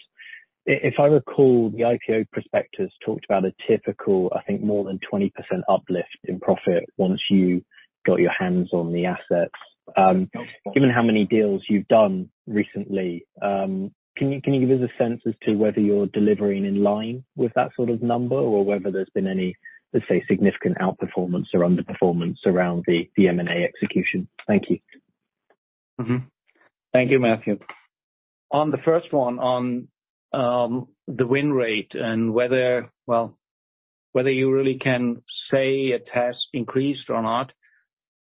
If I recall, the IPO prospectus talked about a typical, I think, more than 20% uplift in profit once you got your hands on the assets. Given how many deals you've done recently, can you give us a sense as to whether you're delivering in line with that sort of number or whether there's been any, let's say, significant outperformance or underperformance around the M&A execution? Thank you. Thank you, Matthew. On the first one, on the win rate and whether you really can say it has increased or not.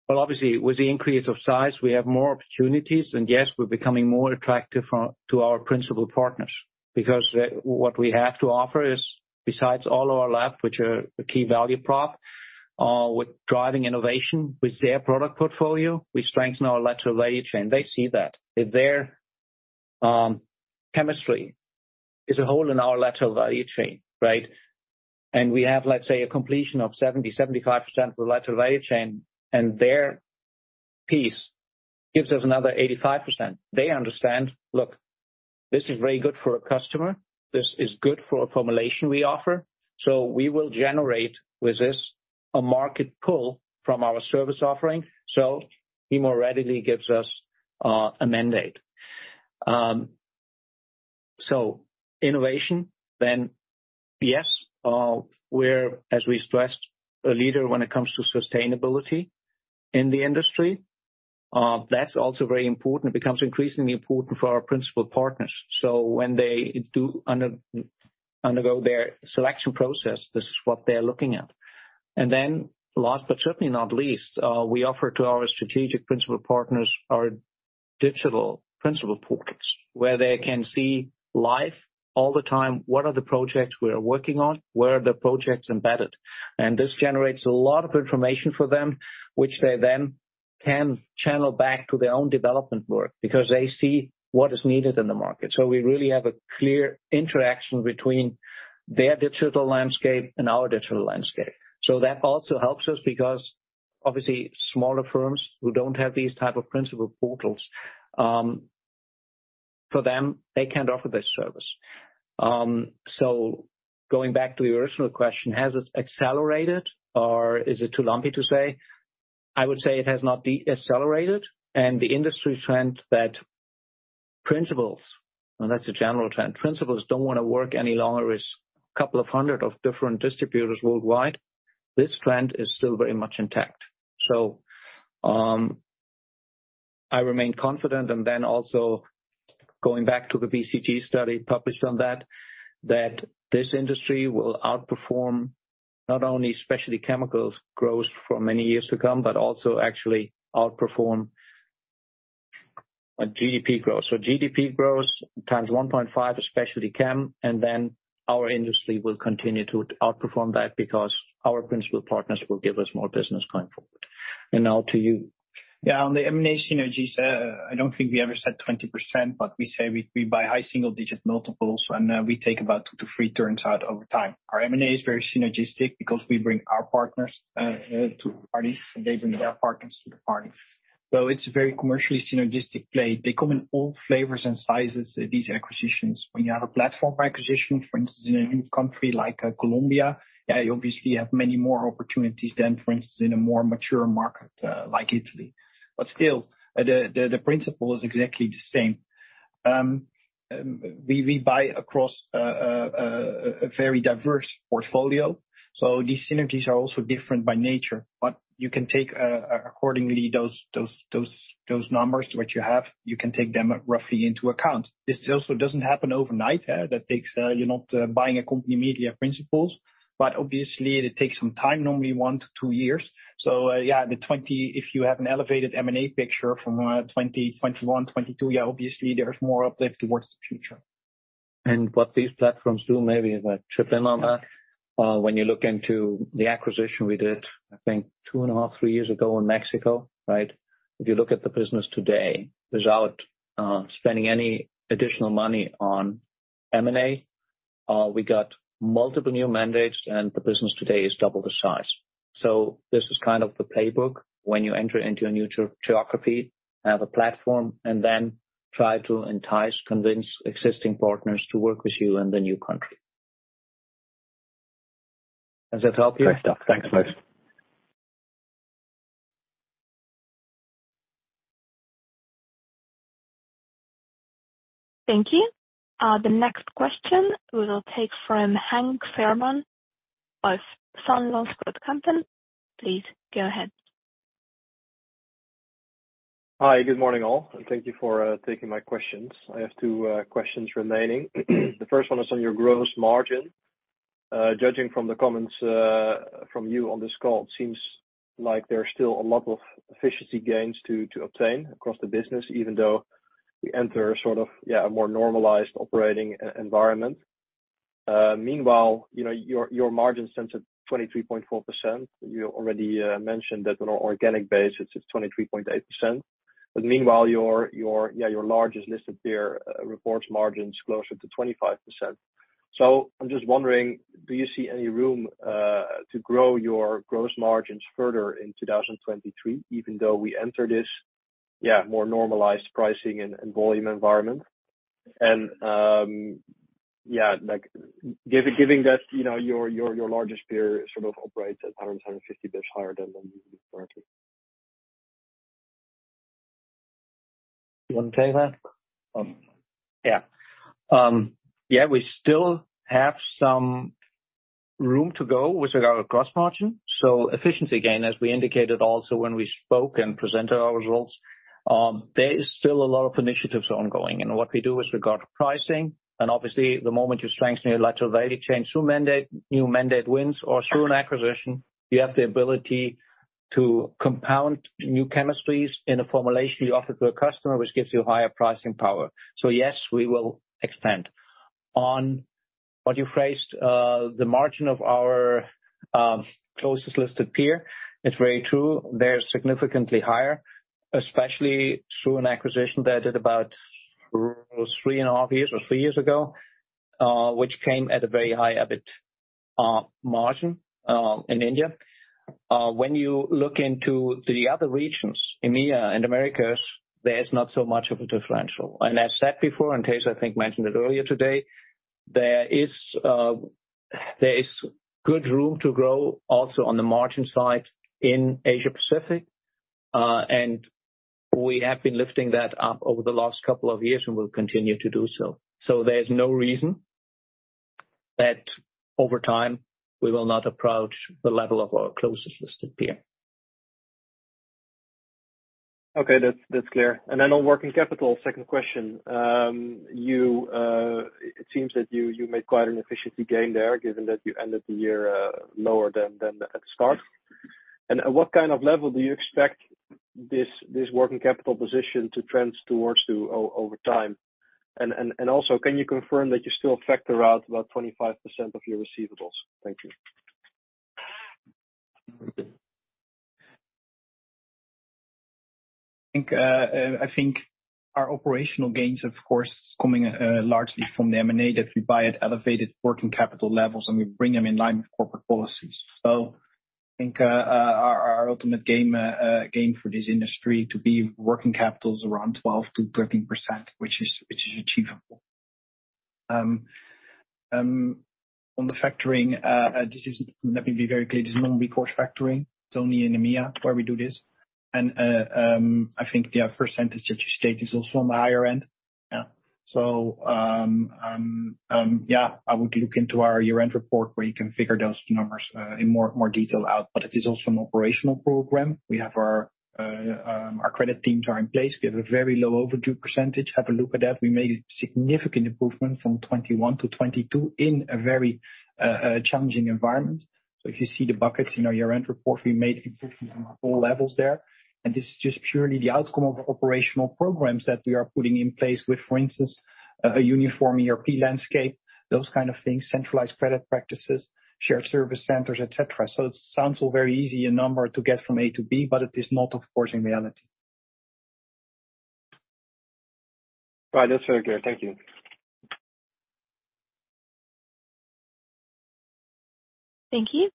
Well, obviously, with the increase of size, we have more opportunities, and yes, we're becoming more attractive to our principal partners. Because what we have to offer is, besides all of our lab, which are a key value prop, with driving innovation with their product portfolio, we strengthen our lateral value chain. They see that. If their chemistry is a hole in our lateral value chain, right? We have, let's say, a completion of 70%-75% of the lateral value chain, and their piece gives us another 85%. They understand, look, this is very good for a customer. This is good for a formulation we offer. We will generate with this a market pull from our service offering, so he more readily gives us a mandate. Innovation, then yes, we're, as we stressed, a leader when it comes to sustainability in the industry. That's also very important. It becomes increasingly important for our principal partners. When they do undergo their selection process, this is what they're looking at. Last but certainly not least, we offer to our strategic principal partners our digital principal portals, where they can see live all the time what are the projects we are working on, where are the projects embedded. This generates a lot of information for them, which they then can channel back to their own development work because they see what is needed in the market. We really have a clear interaction between their digital landscape and our digital landscape. That also helps us because obviously, smaller firms who don't have these type of principal portals, for them, they can't offer this service. Going back to the original question, has it accelerated or is it too lumpy to say? I would say it has not de-accelerated, and the industry trend that principals, and that's a general trend, principals don't wanna work any longer with couple of hundred of different distributors worldwide. This trend is still very much intact. I remain confident, and then also going back to the BCG study published on that this industry will outperform not only specialty chemicals growth for many years to come, but also actually outperform a GDP growth. GDP growth times 1.5 of specialty chem. Our industry will continue to outperform that because our principal partners will give us more business going forward. Now to you. Yeah. On the M&A synergies, I don't think we ever said 20%, but we say we buy high single-digit multiples, and we take about 2 to 3 turns out over time. Our M&A is very synergistic because we bring our partners to parties, and they bring their partners to the parties. It's a very commercially synergistic play. They come in all flavors and sizes, these acquisitions. When you have a platform acquisition, for instance, in a new country like Colombia, yeah, you obviously have many more opportunities than, for instance, in a more mature market, like Italy. Still, the principle is exactly the same. We buy across a very diverse portfolio. These synergies are also different by nature. You can take accordingly those numbers what you have, you can take them roughly into account. This also doesn't happen overnight, that takes. You're not buying a company immediately of principals, but obviously it takes some time, normally 1 to 2 years. Yeah, the 2020, if you have an elevated M&A picture from 2020, 2021, 2022, yeah, obviously there's more uplift towards the future. What these platforms do, maybe if I chip in on that. When you look into the acquisition we did, I think 2 and a half, 3 years ago in Mexico, right? If you look at the business today, without spending any additional money on M&A, we got multiple new mandates and the business today is double the size. This is kind of the playbook when you enter into a new geography, have a platform and then try to entice, convince existing partners to work with you in the new country. Does that help you? Yes, it does. Thanks both. Thank you. The next question we will take from Hans Feenstra of Van Lanschot Kempen. Please go ahead. Hi, good morning, all, and thank you for taking my questions. I have two questions remaining. The first one is on your gross margin. Judging from the comments from you on this call, it seems like there are still a lot of efficiency gains to obtain across the business, even though we enter a sort of, yeah, a more normalized operating environment. Meanwhile, you know, your margin sits at 23.4%. You already mentioned that on an organic base, it's at 23.8%. Meanwhile, your largest listed peer reports margins closer to 25%. I'm just wondering, do you see any room to grow your gross margins further in 2023, even though we enter this, yeah, more normalized pricing and volume environment? Yeah, like giving that, you know, your largest peer sort of operates at 150 basis higher than you currently. You wanna take that? Yeah, we still have Room to go with regard to gross margin. Efficiency gain, as we indicated also when we spoke and presented our results, there is still a lot of initiatives ongoing. What we do with regard to pricing, and obviously the moment you strengthen your lateral value chain through mandate, new mandate wins or through an acquisition, you have the ability to compound new chemistries in a formulation you offer to a customer, which gives you higher pricing power. Yes, we will expand. On what you phrased, the margin of our closest listed peer. It's very true. They're significantly higher, especially through an acquisition they did about 3.5 years or 3 years ago, which came at a very high EBIT margin in India. When you look into the other regions, EMEA and Americas, there is not so much of a differential. As said before, and Tejs, I think, mentioned it earlier today, there is good room to grow also on the margin side in Asia-Pacific, and we have been lifting that up over the last couple of years, and we'll continue to do so. There's no reason that over time, we will not approach the level of our closest listed peer. Okay. That's, that's clear. On working capital, second question. It seems that you made quite an efficiency gain there, given that you ended the year lower than at the start. At what kind of level do you expect this working capital position to trend towards over time? Also, can you confirm that you still factor out about 25% of your receivables? Thank you. I think our operational gains, of course, coming largely from the M&A, that we buy at elevated working capital levels, and we bring them in line with corporate policies. I think our ultimate gain for this industry to be working capital is around 12%-13%, which is achievable. On the factoring, Let me be very clear. This is only recourse factoring. It's only in EMEA where we do this. I think the percentage that you state is also on the higher end. Yeah. Yeah, I would look into our year-end report where you can figure those numbers in more detail out, but it is also an operational program. We have our credit teams are in place. We have a very low overdue percentage. Have a look at that. We made significant improvement from 2021- 2022 in a very challenging environment. If you see the buckets in our year-end report, we made improvements on all levels there. This is just purely the outcome of operational programs that we are putting in place with, for instance, a uniform ERP landscape, those kind of things, centralized credit practices, shared service centers, et cetera. It sounds all very easy, a number to get from A to B, but it is not, of course, in reality. Right. That's very clear. Thank you. Thank you.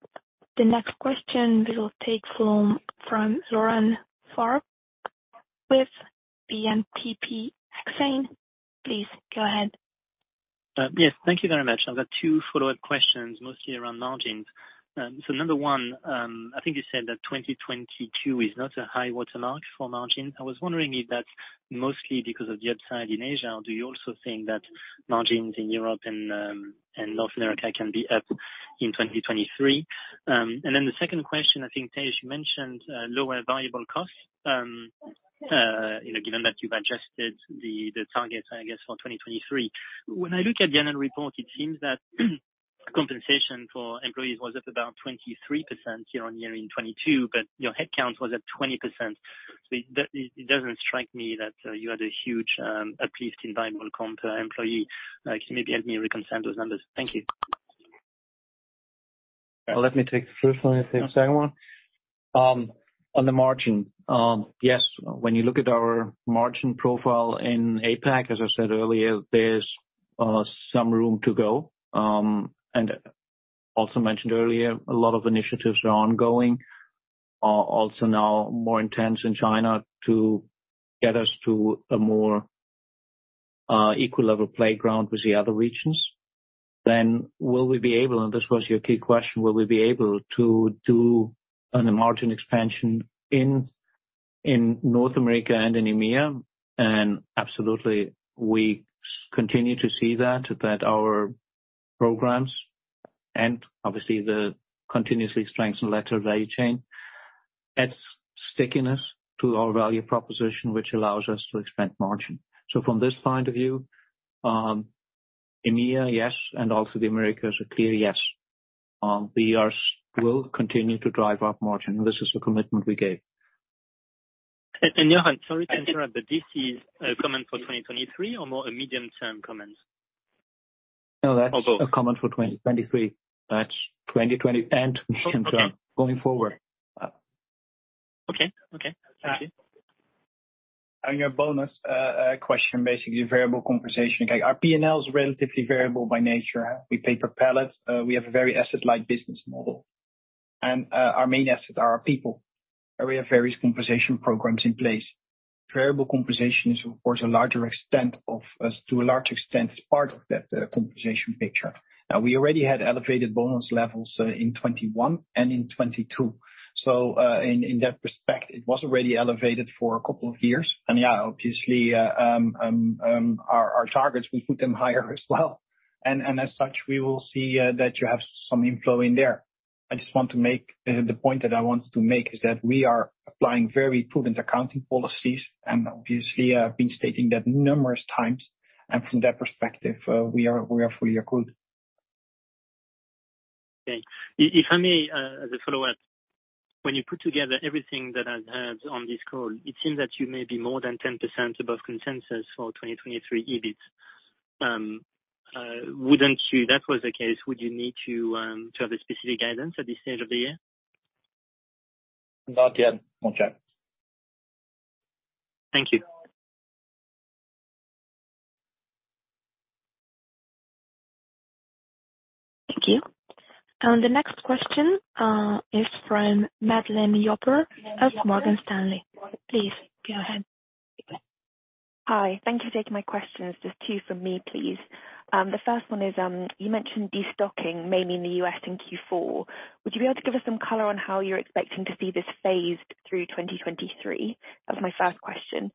The next question we will take from Laurent Favre with BNP Paribas Exane. Please go ahead. Yes. Thank you very much. I've got two follow-up questions, mostly around margins. Number one, I think you said that 2022 is not a high-water mark for margin. I was wondering if that's mostly because of the upside in Asia, or do you also think that margins in Europe and North America can be up in 2023? The second question, I think, Thijs, you mentioned lower variable costs, you know, given that you've adjusted the targets, I guess, for 2023. When I look at the annual report, it seems that compensation for employees was up about 23% year-on-year in 2022, but your headcount was at 20%. It doesn't strike me that you had a huge increase in variable comp per employee. Can you maybe help me reconcile those numbers? Thank you. Let me take the first one. You take the second one. On the margin. Yes, when you look at our margin profile in APAC, as I said earlier, there's some room to go. And also mentioned earlier, a lot of initiatives are ongoing, also now more intense in China to get us to a more equal level playground with the other regions. Will we be able, and this was your key question, will we be able to do a margin expansion in North America and in EMEA? Absolutely, we continue to see that our programs and obviously the continuously strengthened lateral value chain adds stickiness to our value proposition, which allows us to expand margin. From this point of view, EMEA, yes, and also the Americas, a clear yes. The years will continue to drive up margin. This is the commitment we gave. Joachim, sorry to interrupt, but this is a comment for 2023 or more a medium-term comment? No, that's a comment for 2023. That's medium-term going forward. Okay. Thank you. Your bonus question, basically variable compensation. Okay. Our P&L is relatively variable by nature. We pay per pallet. We have a very asset-light business model. Our main asset are our people. We have various compensation programs in place. Variable compensation is, of course, to a large extent part of that compensation picture. We already had elevated bonus levels in 2021 and in 2022. In that respect, it was already elevated for a couple of years. Yeah, obviously, our targets, we put them higher as well. As such, we will see that you have some inflow in there. I just want to make... The point that I wanted to make is that we are applying very prudent accounting policies, and obviously I've been stating that numerous times. From that perspective, we are fully accrued. Okay. If I may, as a follow-up. When you put together everything that I've heard on this call, it seems that you may be more than 10% above consensus for 2023 EBIT. If that was the case, would you need to have a specific guidance at this stage of the year? Not yet. We'll check. Thank you. Thank you. The next question is from Madelaine Ronner of Morgan Stanley. Please go ahead. Hi. Thank you for taking my questions. Just two from me, please. The first one is, you mentioned destocking mainly in the U.S. in Q4. Would you be able to give us some color on how you're expecting to see this phased through 2023? That was my first question.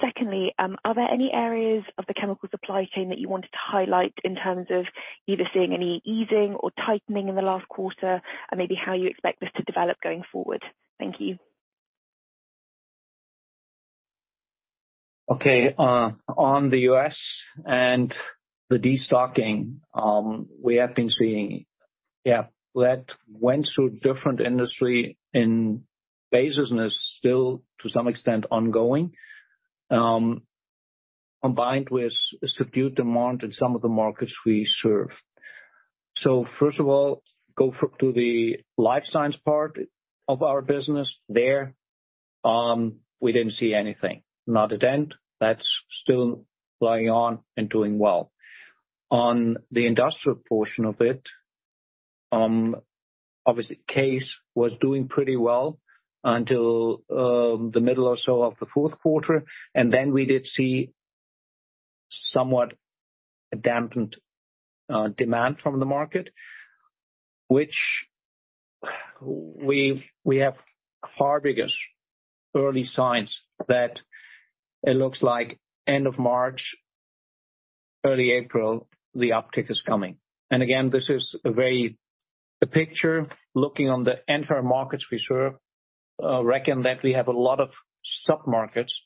Secondly, are there any areas of the chemical supply chain that you wanted to highlight in terms of either seeing any easing or tightening in the last quarter? Maybe how you expect this to develop going forward. Thank you. Okay. On the U.S. and the destocking, we have been seeing, yeah, that went through different industry in phases and is still, to some extent, ongoing, combined with subdued demand in some of the markets we serve. First of all, to the Life Sciences part of our business, there, we didn't see anything. Not at end. That's still going on and doing well. On the industrial portion of it, obviously, CASE was doing pretty well until the middle or so of the fourth quarter, we did see somewhat a dampened demand from the market, which we have far biggest early signs that it looks like end of March, early April, the uptick is coming. Again, this is a very A picture looking on the entire markets we serve, reckon that we have a lot of sub-markets.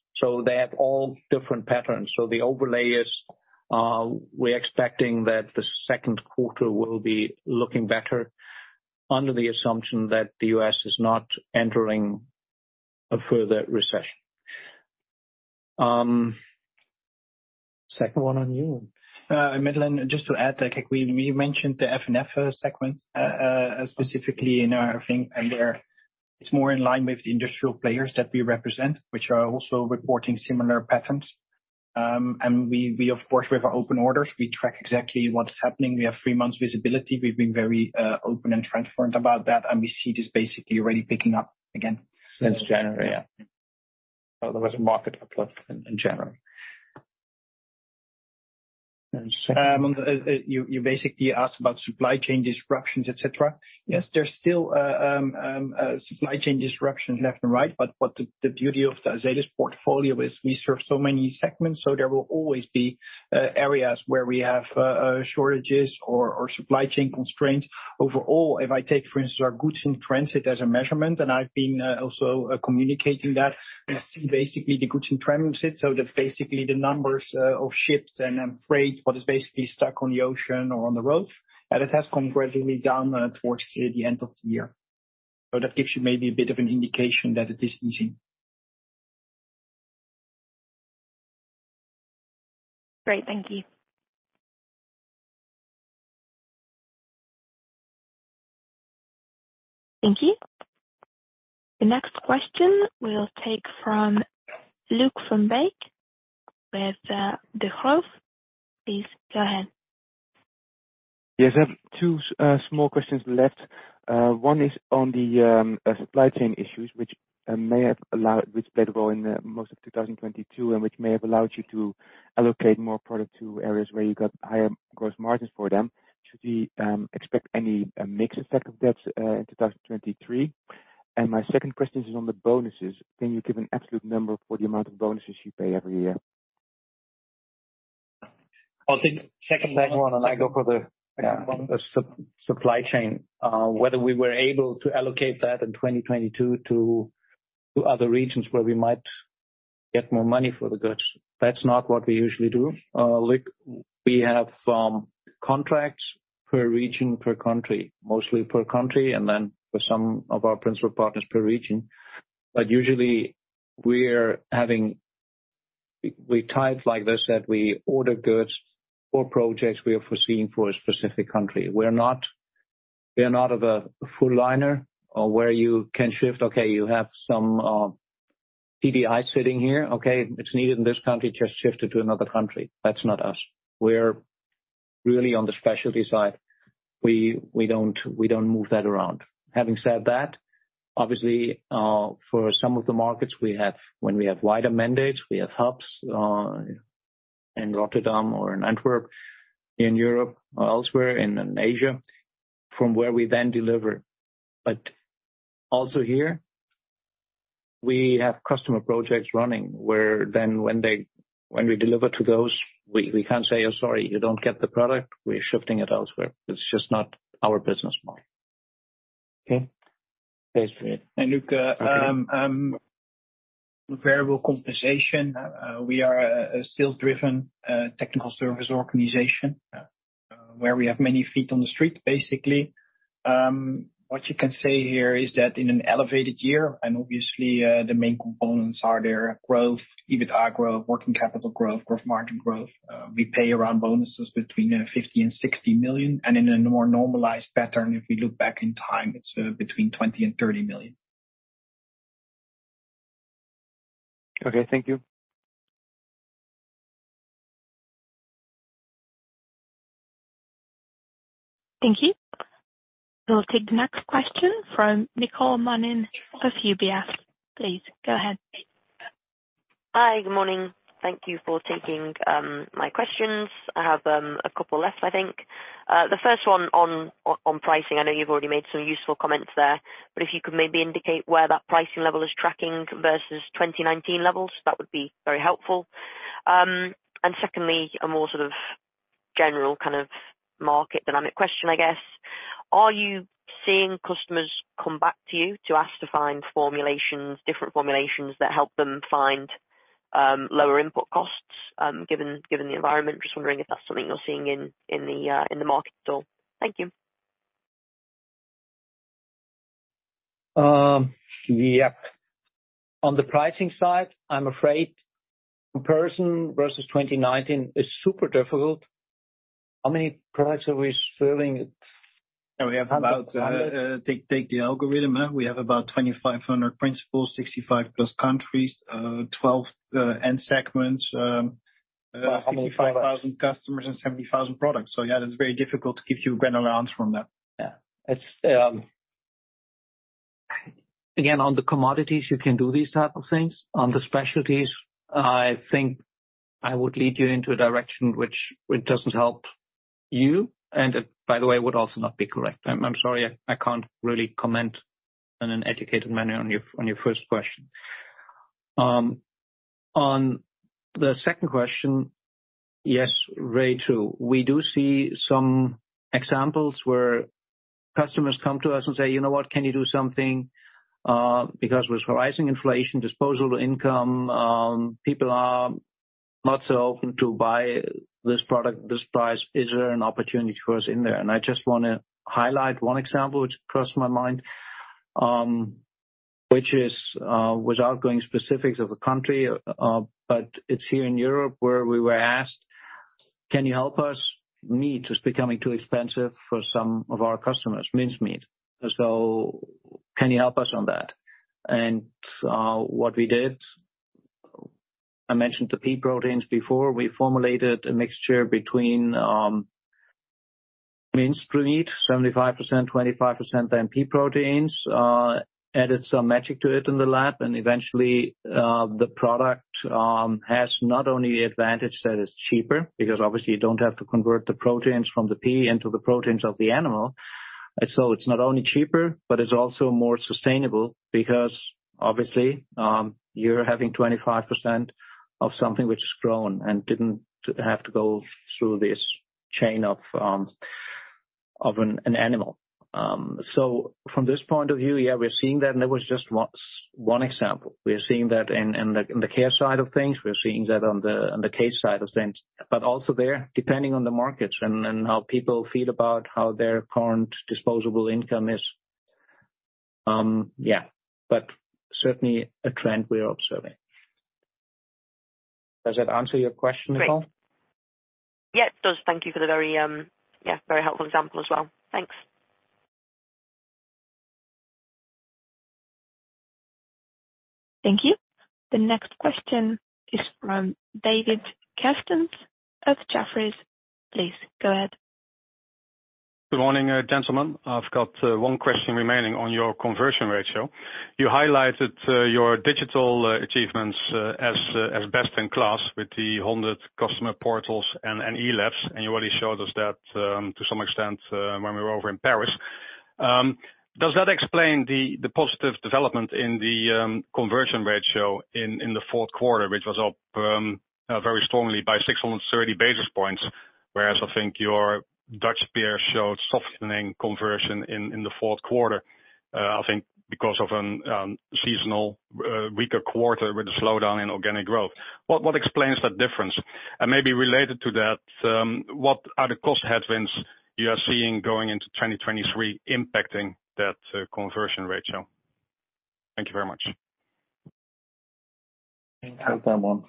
They have all different patterns. The overlay is, we're expecting that the second quarter will be looking better under the assumption that the U.S. is not entering a further recession. Second one on you. Madeline, just to add, like we mentioned the F&F segment specifically in our thing, there it's more in line with the industrial players that we represent, which are also reporting similar patterns. We of course, we have our open orders. We track exactly what is happening. We have 3 months visibility. We've been very open and transparent about that, we see it is basically already picking up again. Since January, yeah. There was a market uplift in January. You basically asked about supply chain disruptions, et cetera. Yes, there's still supply chain disruptions left and right. What the beauty of the Azelis portfolio is we serve so many segments, there will always be areas where we have shortages or supply chain constraints. Overall, if I take, for instance, our goods in transit as a measurement, I've been also communicating that. We see basically the goods in transit, that's basically the numbers of ships and freight, what is basically stuck on the ocean or on the road. It has come gradually down towards the end of the year. That gives you maybe a bit of an indication that it is easing. Great. Thank you. Thank you. The next question we'll take from Luuk van Beek with Degroof. Please go ahead. Yes, I have 2 small questions left. One is on the supply chain issues which played a role in most of 2022, and which may have allowed you to allocate more product to areas where you got higher gross margins for them. Should we expect any mix effect of that in 2023? My second question is on the bonuses. Can you give an absolute number for the amount of bonuses you pay every year? I'll take the Second one, the supply chain. Whether we were able to allocate that in 2022 to other regions where we might get more money for the goods. That's not what we usually do, Luc. We have contracts per region, per country, mostly per country, then for some of our principal partners per region. Usually we tie it like this, that we order goods for projects we are foreseeing for a specific country. We're not of a full liner or where you can shift, okay, you have some DPO sitting here, okay, it's needed in this country, just shift it to another country. That's not us. We're really on the specialty side. We don't move that around. Having said that, obviously, for some of the markets we have, when we have wider mandates, we have hubs, in Rotterdam or in Antwerp, in Europe or elsewhere in Asia, from where we then deliver. Also here, we have customer projects running where then when we deliver to those, we can't say, "Oh, sorry, you don't get the product. We're shifting it elsewhere." It's just not our business model. Okay. Thanks for it. Luke, variable compensation, we are a sales-driven technical service organization where we have many feet on the street, basically. What you can say here is that in an elevated year, obviously, the main components are their growth, EBITA growth, working capital growth margin growth. We pay around bonuses between 50 million and 60 million. In a more normalized pattern, if we look back in time, it's between 20 million and 30 million. Okay. Thank you. Thank you. We'll take the next question from Nicole Manion of UBS. Please go ahead. Hi. Good morning. Thank you for taking my questions. I have a couple left, I think. The first one on pricing. I know you've already made some useful comments there, but if you could maybe indicate where that pricing level is tracking versus 2019 levels, that would be very helpful. Secondly, a more sort of general kind of market dynamic question, I guess. Are you seeing customers come back to you to ask to find formulations, different formulations that help them find lower input costs given the environment? Just wondering if that's something you're seeing in the market at all. Thank you. Yeah. On the pricing side, I'm afraid comparison versus 2019 is super difficult. How many products are we selling? Take the algorithm. We have about 2,500 principals, 65+ countries, 12 end segments, 55,000 customers and 70,000 products. Yeah, that's very difficult to give you a general answer on that. Yeah. It's again, on the commodities, you can do these type of things. On the specialties, I think I would lead you into a direction which it doesn't help you, and by the way, would also not be correct. I'm sorry, I can't really comment in an educated manner on your, on your first question. On the second question, yes, Nicole, we do see some examples where customers come to us and say, "You know what? Can you do something? Because with rising inflation, disposable income, people are not so open to buy this product, this price. Is there an opportunity for us in there?" I just wanna highlight one example which crossed my mind, which is, without going specifics of the country, but it's here in Europe where we were asked, "Can you help us? Meat is becoming too expensive for some of our customers, minced meat. Can you help us on that?" What we did, I mentioned the pea proteins before. We formulated a mixture between minced meat, 75%, 25% then pea proteins, added some magic to it in the lab, eventually, the product has not only advantage that is cheaper, because obviously you don't have to convert the proteins from the pea into the proteins of the animal. It's not only cheaper, but it's also more sustainable because obviously, you're having 25% of something which is grown and didn't have to go through this chain of an animal. From this point of view, yeah, we're seeing that, and that was just one example. We're seeing that in the care side of things. We're seeing that on the CASE side of things. Also there, depending on the markets and how people feel about how their current disposable income is. Yeah, certainly a trend we are observing. Does that answer your question, Nicole? Yeah, it does. Thank you for the very, yeah, very helpful example as well. Thanks. Thank you. The next question is from David Kerstens of Jefferies. Please go ahead. Good morning, gentlemen. I've got 1 question remaining on your conversion ratio. You highlighted your digital achievements as best in class with the 100 customer portals and e-labs, and you already showed us that to some extent when we were over in Paris. Does that explain the positive development in the conversion ratio in the fourth quarter, which was up very strongly by 630 basis points, whereas I think your Dutch peer showed softening conversion in the fourth quarter, I think because of an seasonal weaker quarter with a slowdown in organic growth? What explains that difference? Maybe related to that, what are the cost headwinds you are seeing going into 2023 impacting that conversion ratio? Thank you very much. Have that one.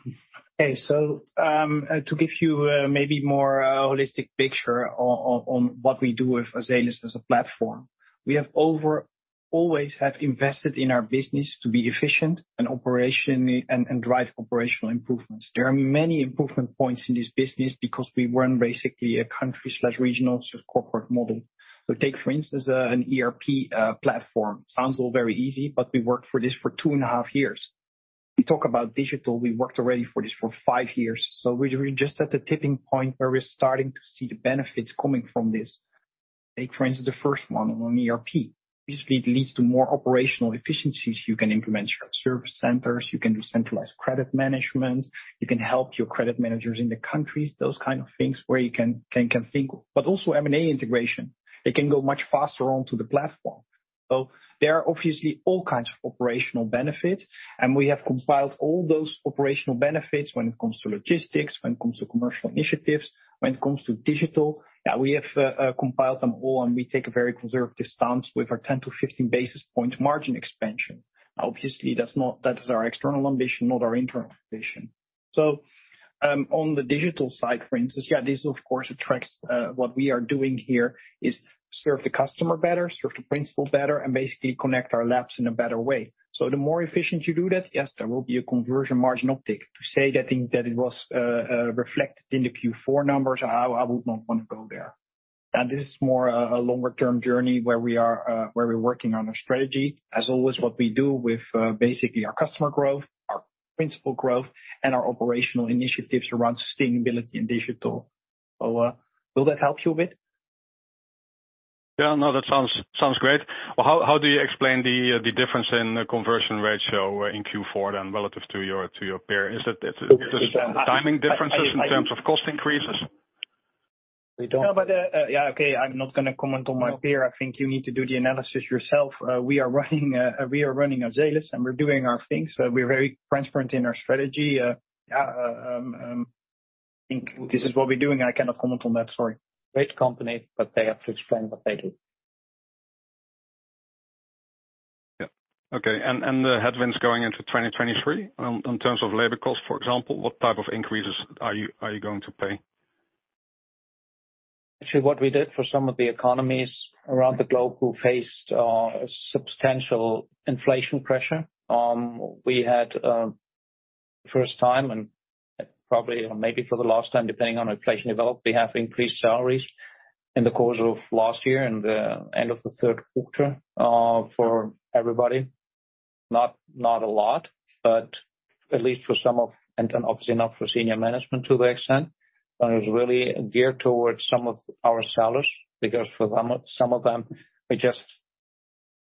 to give you maybe more holistic picture on what we do with Azelis as a platform. We always have invested in our business to be efficient in operation and drive operational improvements. There are many improvement points in this business because we run basically a country/regional sort of corporate model. Take for instance an ERP platform. Sounds all very easy. We worked for this for two and a half years. We talk about digital, we worked already for this for five years. We're just at the tipping point where we're starting to see the benefits coming from this. Take, for instance, the first one on ERP. Usually, it leads to more operational efficiencies. You can implement your service centers, you can do centralized credit management, you can help your credit managers in the countries, those kind of things where you can think. Also M&A integration, it can go much faster onto the platform. There are obviously all kinds of operational benefits, and we have compiled all those operational benefits when it comes to logistics, when it comes to commercial initiatives, when it comes to digital. Yeah, we have compiled them all, and we take a very conservative stance with our 10 to 15 basis point margin expansion. Obviously, that is our external ambition, not our internal ambition. On the digital side, for instance, yeah, this of course attracts. What we are doing here is serve the customer better, serve the principal better, and basically connect our labs in a better way. The more efficient you do that, yes, there will be a Conversion Margin uptick. To say that it was reflected in the Q4 numbers, I would not wanna go there. This is more a longer-term journey where we are, where we're working on our strategy. As always, what we do with basically our customer growth, our principal growth, and our operational initiatives around sustainability and digital. Will that help you a bit? Yeah, no, that sounds great. Well, how do you explain the difference in the conversion ratio in Q4 then relative to your peer? Is it timing differences in terms of cost increases? We don't- Okay, I'm not gonna comment on my peer. I think you need to do the analysis yourself. We are running Azelis, and we're doing our things. We're very transparent in our strategy. I think this is what we're doing. I cannot comment on that. Sorry. Great company, but they have to explain what they do. Yeah. Okay. The headwinds going into 2023, in terms of labor costs, for example, what type of increases are you going to pay? Actually, what we did for some of the economies around the globe who faced substantial inflation pressure, we had first time and probably or maybe for the last time, depending on inflation development, we have increased salaries in the course of last year and the end of the 3rd quarter, for everybody. Not a lot, but at least for some of, and obviously not for senior management to the extent. It was really geared towards some of our sellers, because for them, some of them, we just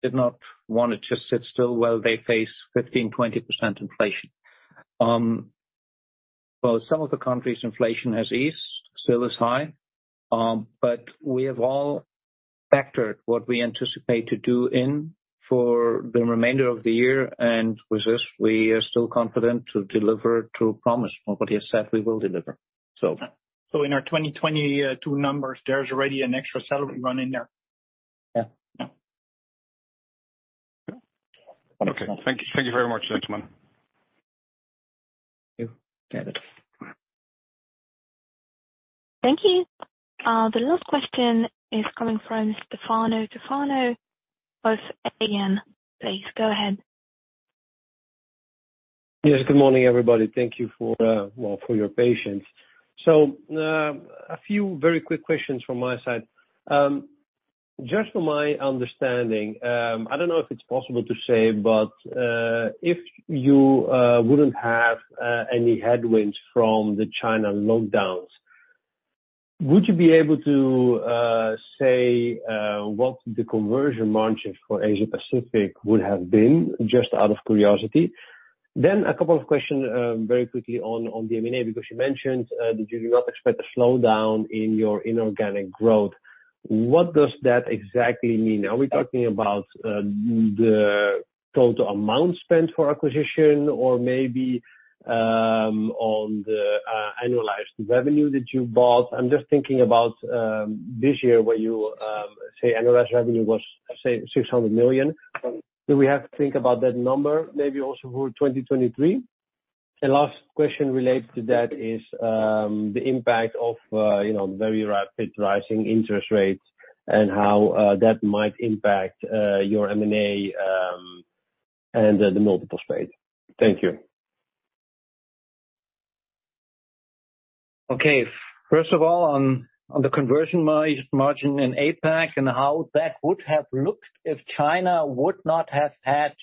did not wanna sit still while they face 15%, 20% inflation. Well, some of the countries inflation has eased, still is high, but we have all factored what we anticipate to do in for the remainder of the year and with this we are still confident to deliver to promise what we have said we will deliver. In our 2022 numbers, there's already an extra salary run in there. Yeah. Yeah. Okay. Thank you. Thank you very much, gentlemen. Thank you. Yeah, that's it. Thank you. The last question is coming from Stefano Toffano of AN. Please go ahead. Yes, good morning, everybody. Thank you for, well, for your patience. A few very quick questions from my side. Just for my understanding, I don't know if it's possible to say, if you wouldn't have any headwinds from the China lockdowns, would you be able to say what the conversion margin for Asia Pacific would have been, just out of curiosity? A couple of questions very quickly on M&A, because you mentioned that you do not expect a slowdown in your inorganic growth. What does that exactly mean? Are we talking about the total amount spent for acquisition or maybe on the annualized revenue that you bought? I'm just thinking about this year where you say annualized revenue was, say, 600 million. Do we have to think about that number maybe also for 2023? The last question related to that is, the impact of, you know, very rapid rising interest rates and how that might impact your M&A and the multiples paid. Thank you. Okay. First of all, on the conversion margin in APAC and how that would have looked if China would not have had,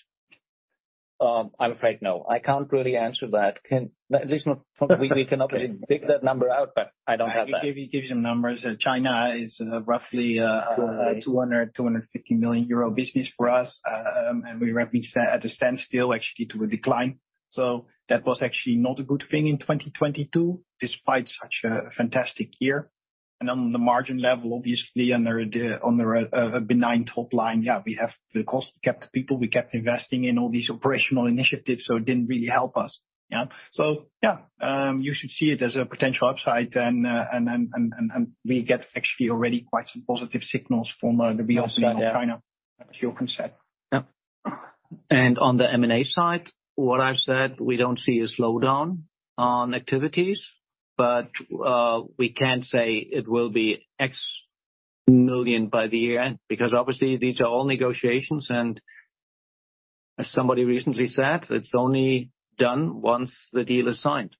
I'm afraid no. I can't really answer that. At least not. We cannot really pick that number out, but I don't have that. I can give you some numbers. China is roughly 250 million euro business for us, and we're roughly at a standstill, actually to a decline. That was actually not a good thing in 2022, despite such a fantastic year. On the margin level, obviously under a benign top line, we have the cost. We kept people, we kept investing in all these operational initiatives, so it didn't really help us. You should see it as a potential upside and we get actually already quite some positive signals from the reopening of China as you can say. Yeah. On the M&A side, what I've said, we don't see a slowdown on activities, but we can say it will be EUR X million by the year-end, because obviously these are all negotiations and as somebody recently said, it's only done once the deal is signed.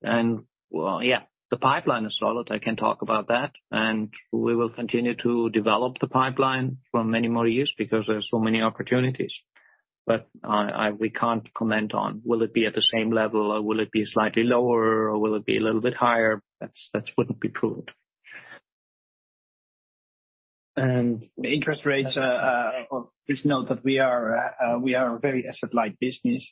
Well, yeah, the pipeline is solid, I can talk about that, and we will continue to develop the pipeline for many more years because there are so many opportunities. We can't comment on will it be at the same level or will it be slightly lower or will it be a little bit higher. That wouldn't be true. Interest rates, please note that we are a very asset light business.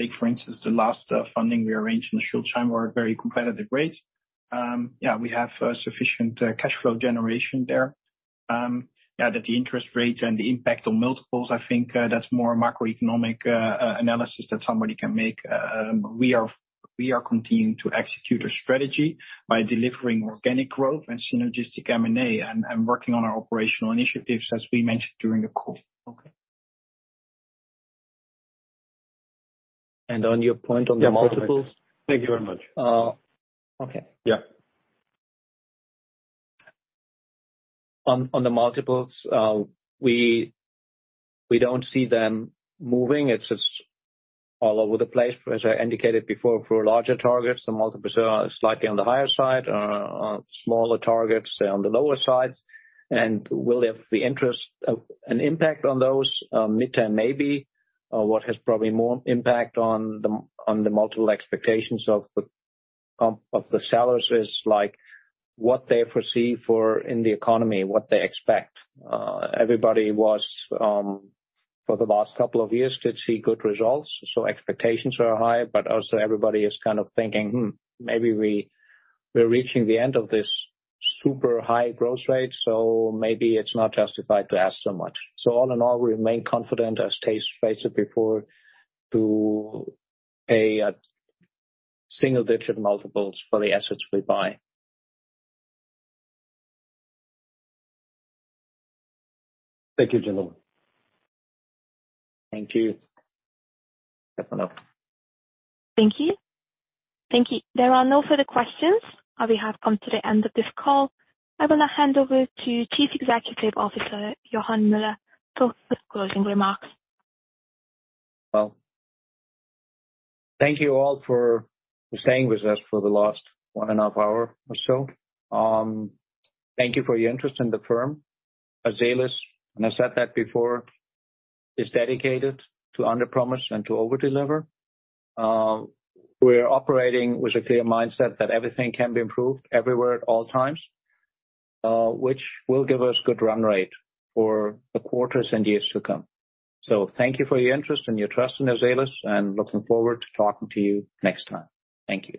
Take for instance, the last funding we arranged in a short time were very competitive rates. We have sufficient cash flow generation there. That the interest rates and the impact on multiples, I think, that's more macroeconomic analysis that somebody can make. We are continuing to execute a strategy by delivering organic growth and synergistic M&A and working on our operational initiatives, as we mentioned during the call. Okay. On your point on the multiples. Thank you very much. Okay. Yeah. On the multiples, we don't see them moving. It's just all over the place. As I indicated before, for larger targets, the multiples are slightly on the higher side, or on smaller targets, they're on the lower sides. Will it have an impact on those? Mid-term, maybe. What has probably more impact on the multiple expectations of the sellers is, like, what they foresee for in the economy, what they expect. Everybody was, for the last couple of years, did see good results, so expectations are high, but also everybody is kind of thinking, "maybe we're reaching the end of this super high growth rate, so maybe it's not justified to ask so much." All in all, we remain confident, as Taze phrased it before, to a single-digit multiples for the assets we buy. Thank you, gentlemen. Thank you. Definitely. Thank you. Thank you. There are no further questions, and we have come to the end of this call. I'm gonna hand over to Chief Executive Officer, Joachim Müller, for his closing remarks. Well, thank you all for staying with us for the last one and a half hour or so. Thank you for your interest in the firm. Azelis, and I said that before, is dedicated to underpromise and to overdeliver. We're operating with a clear mindset that everything can be improved everywhere at all times, which will give us good run rate for the quarters and years to come. Thank you for your interest and your trust in Azelis, and looking forward to talking to you next time. Thank you.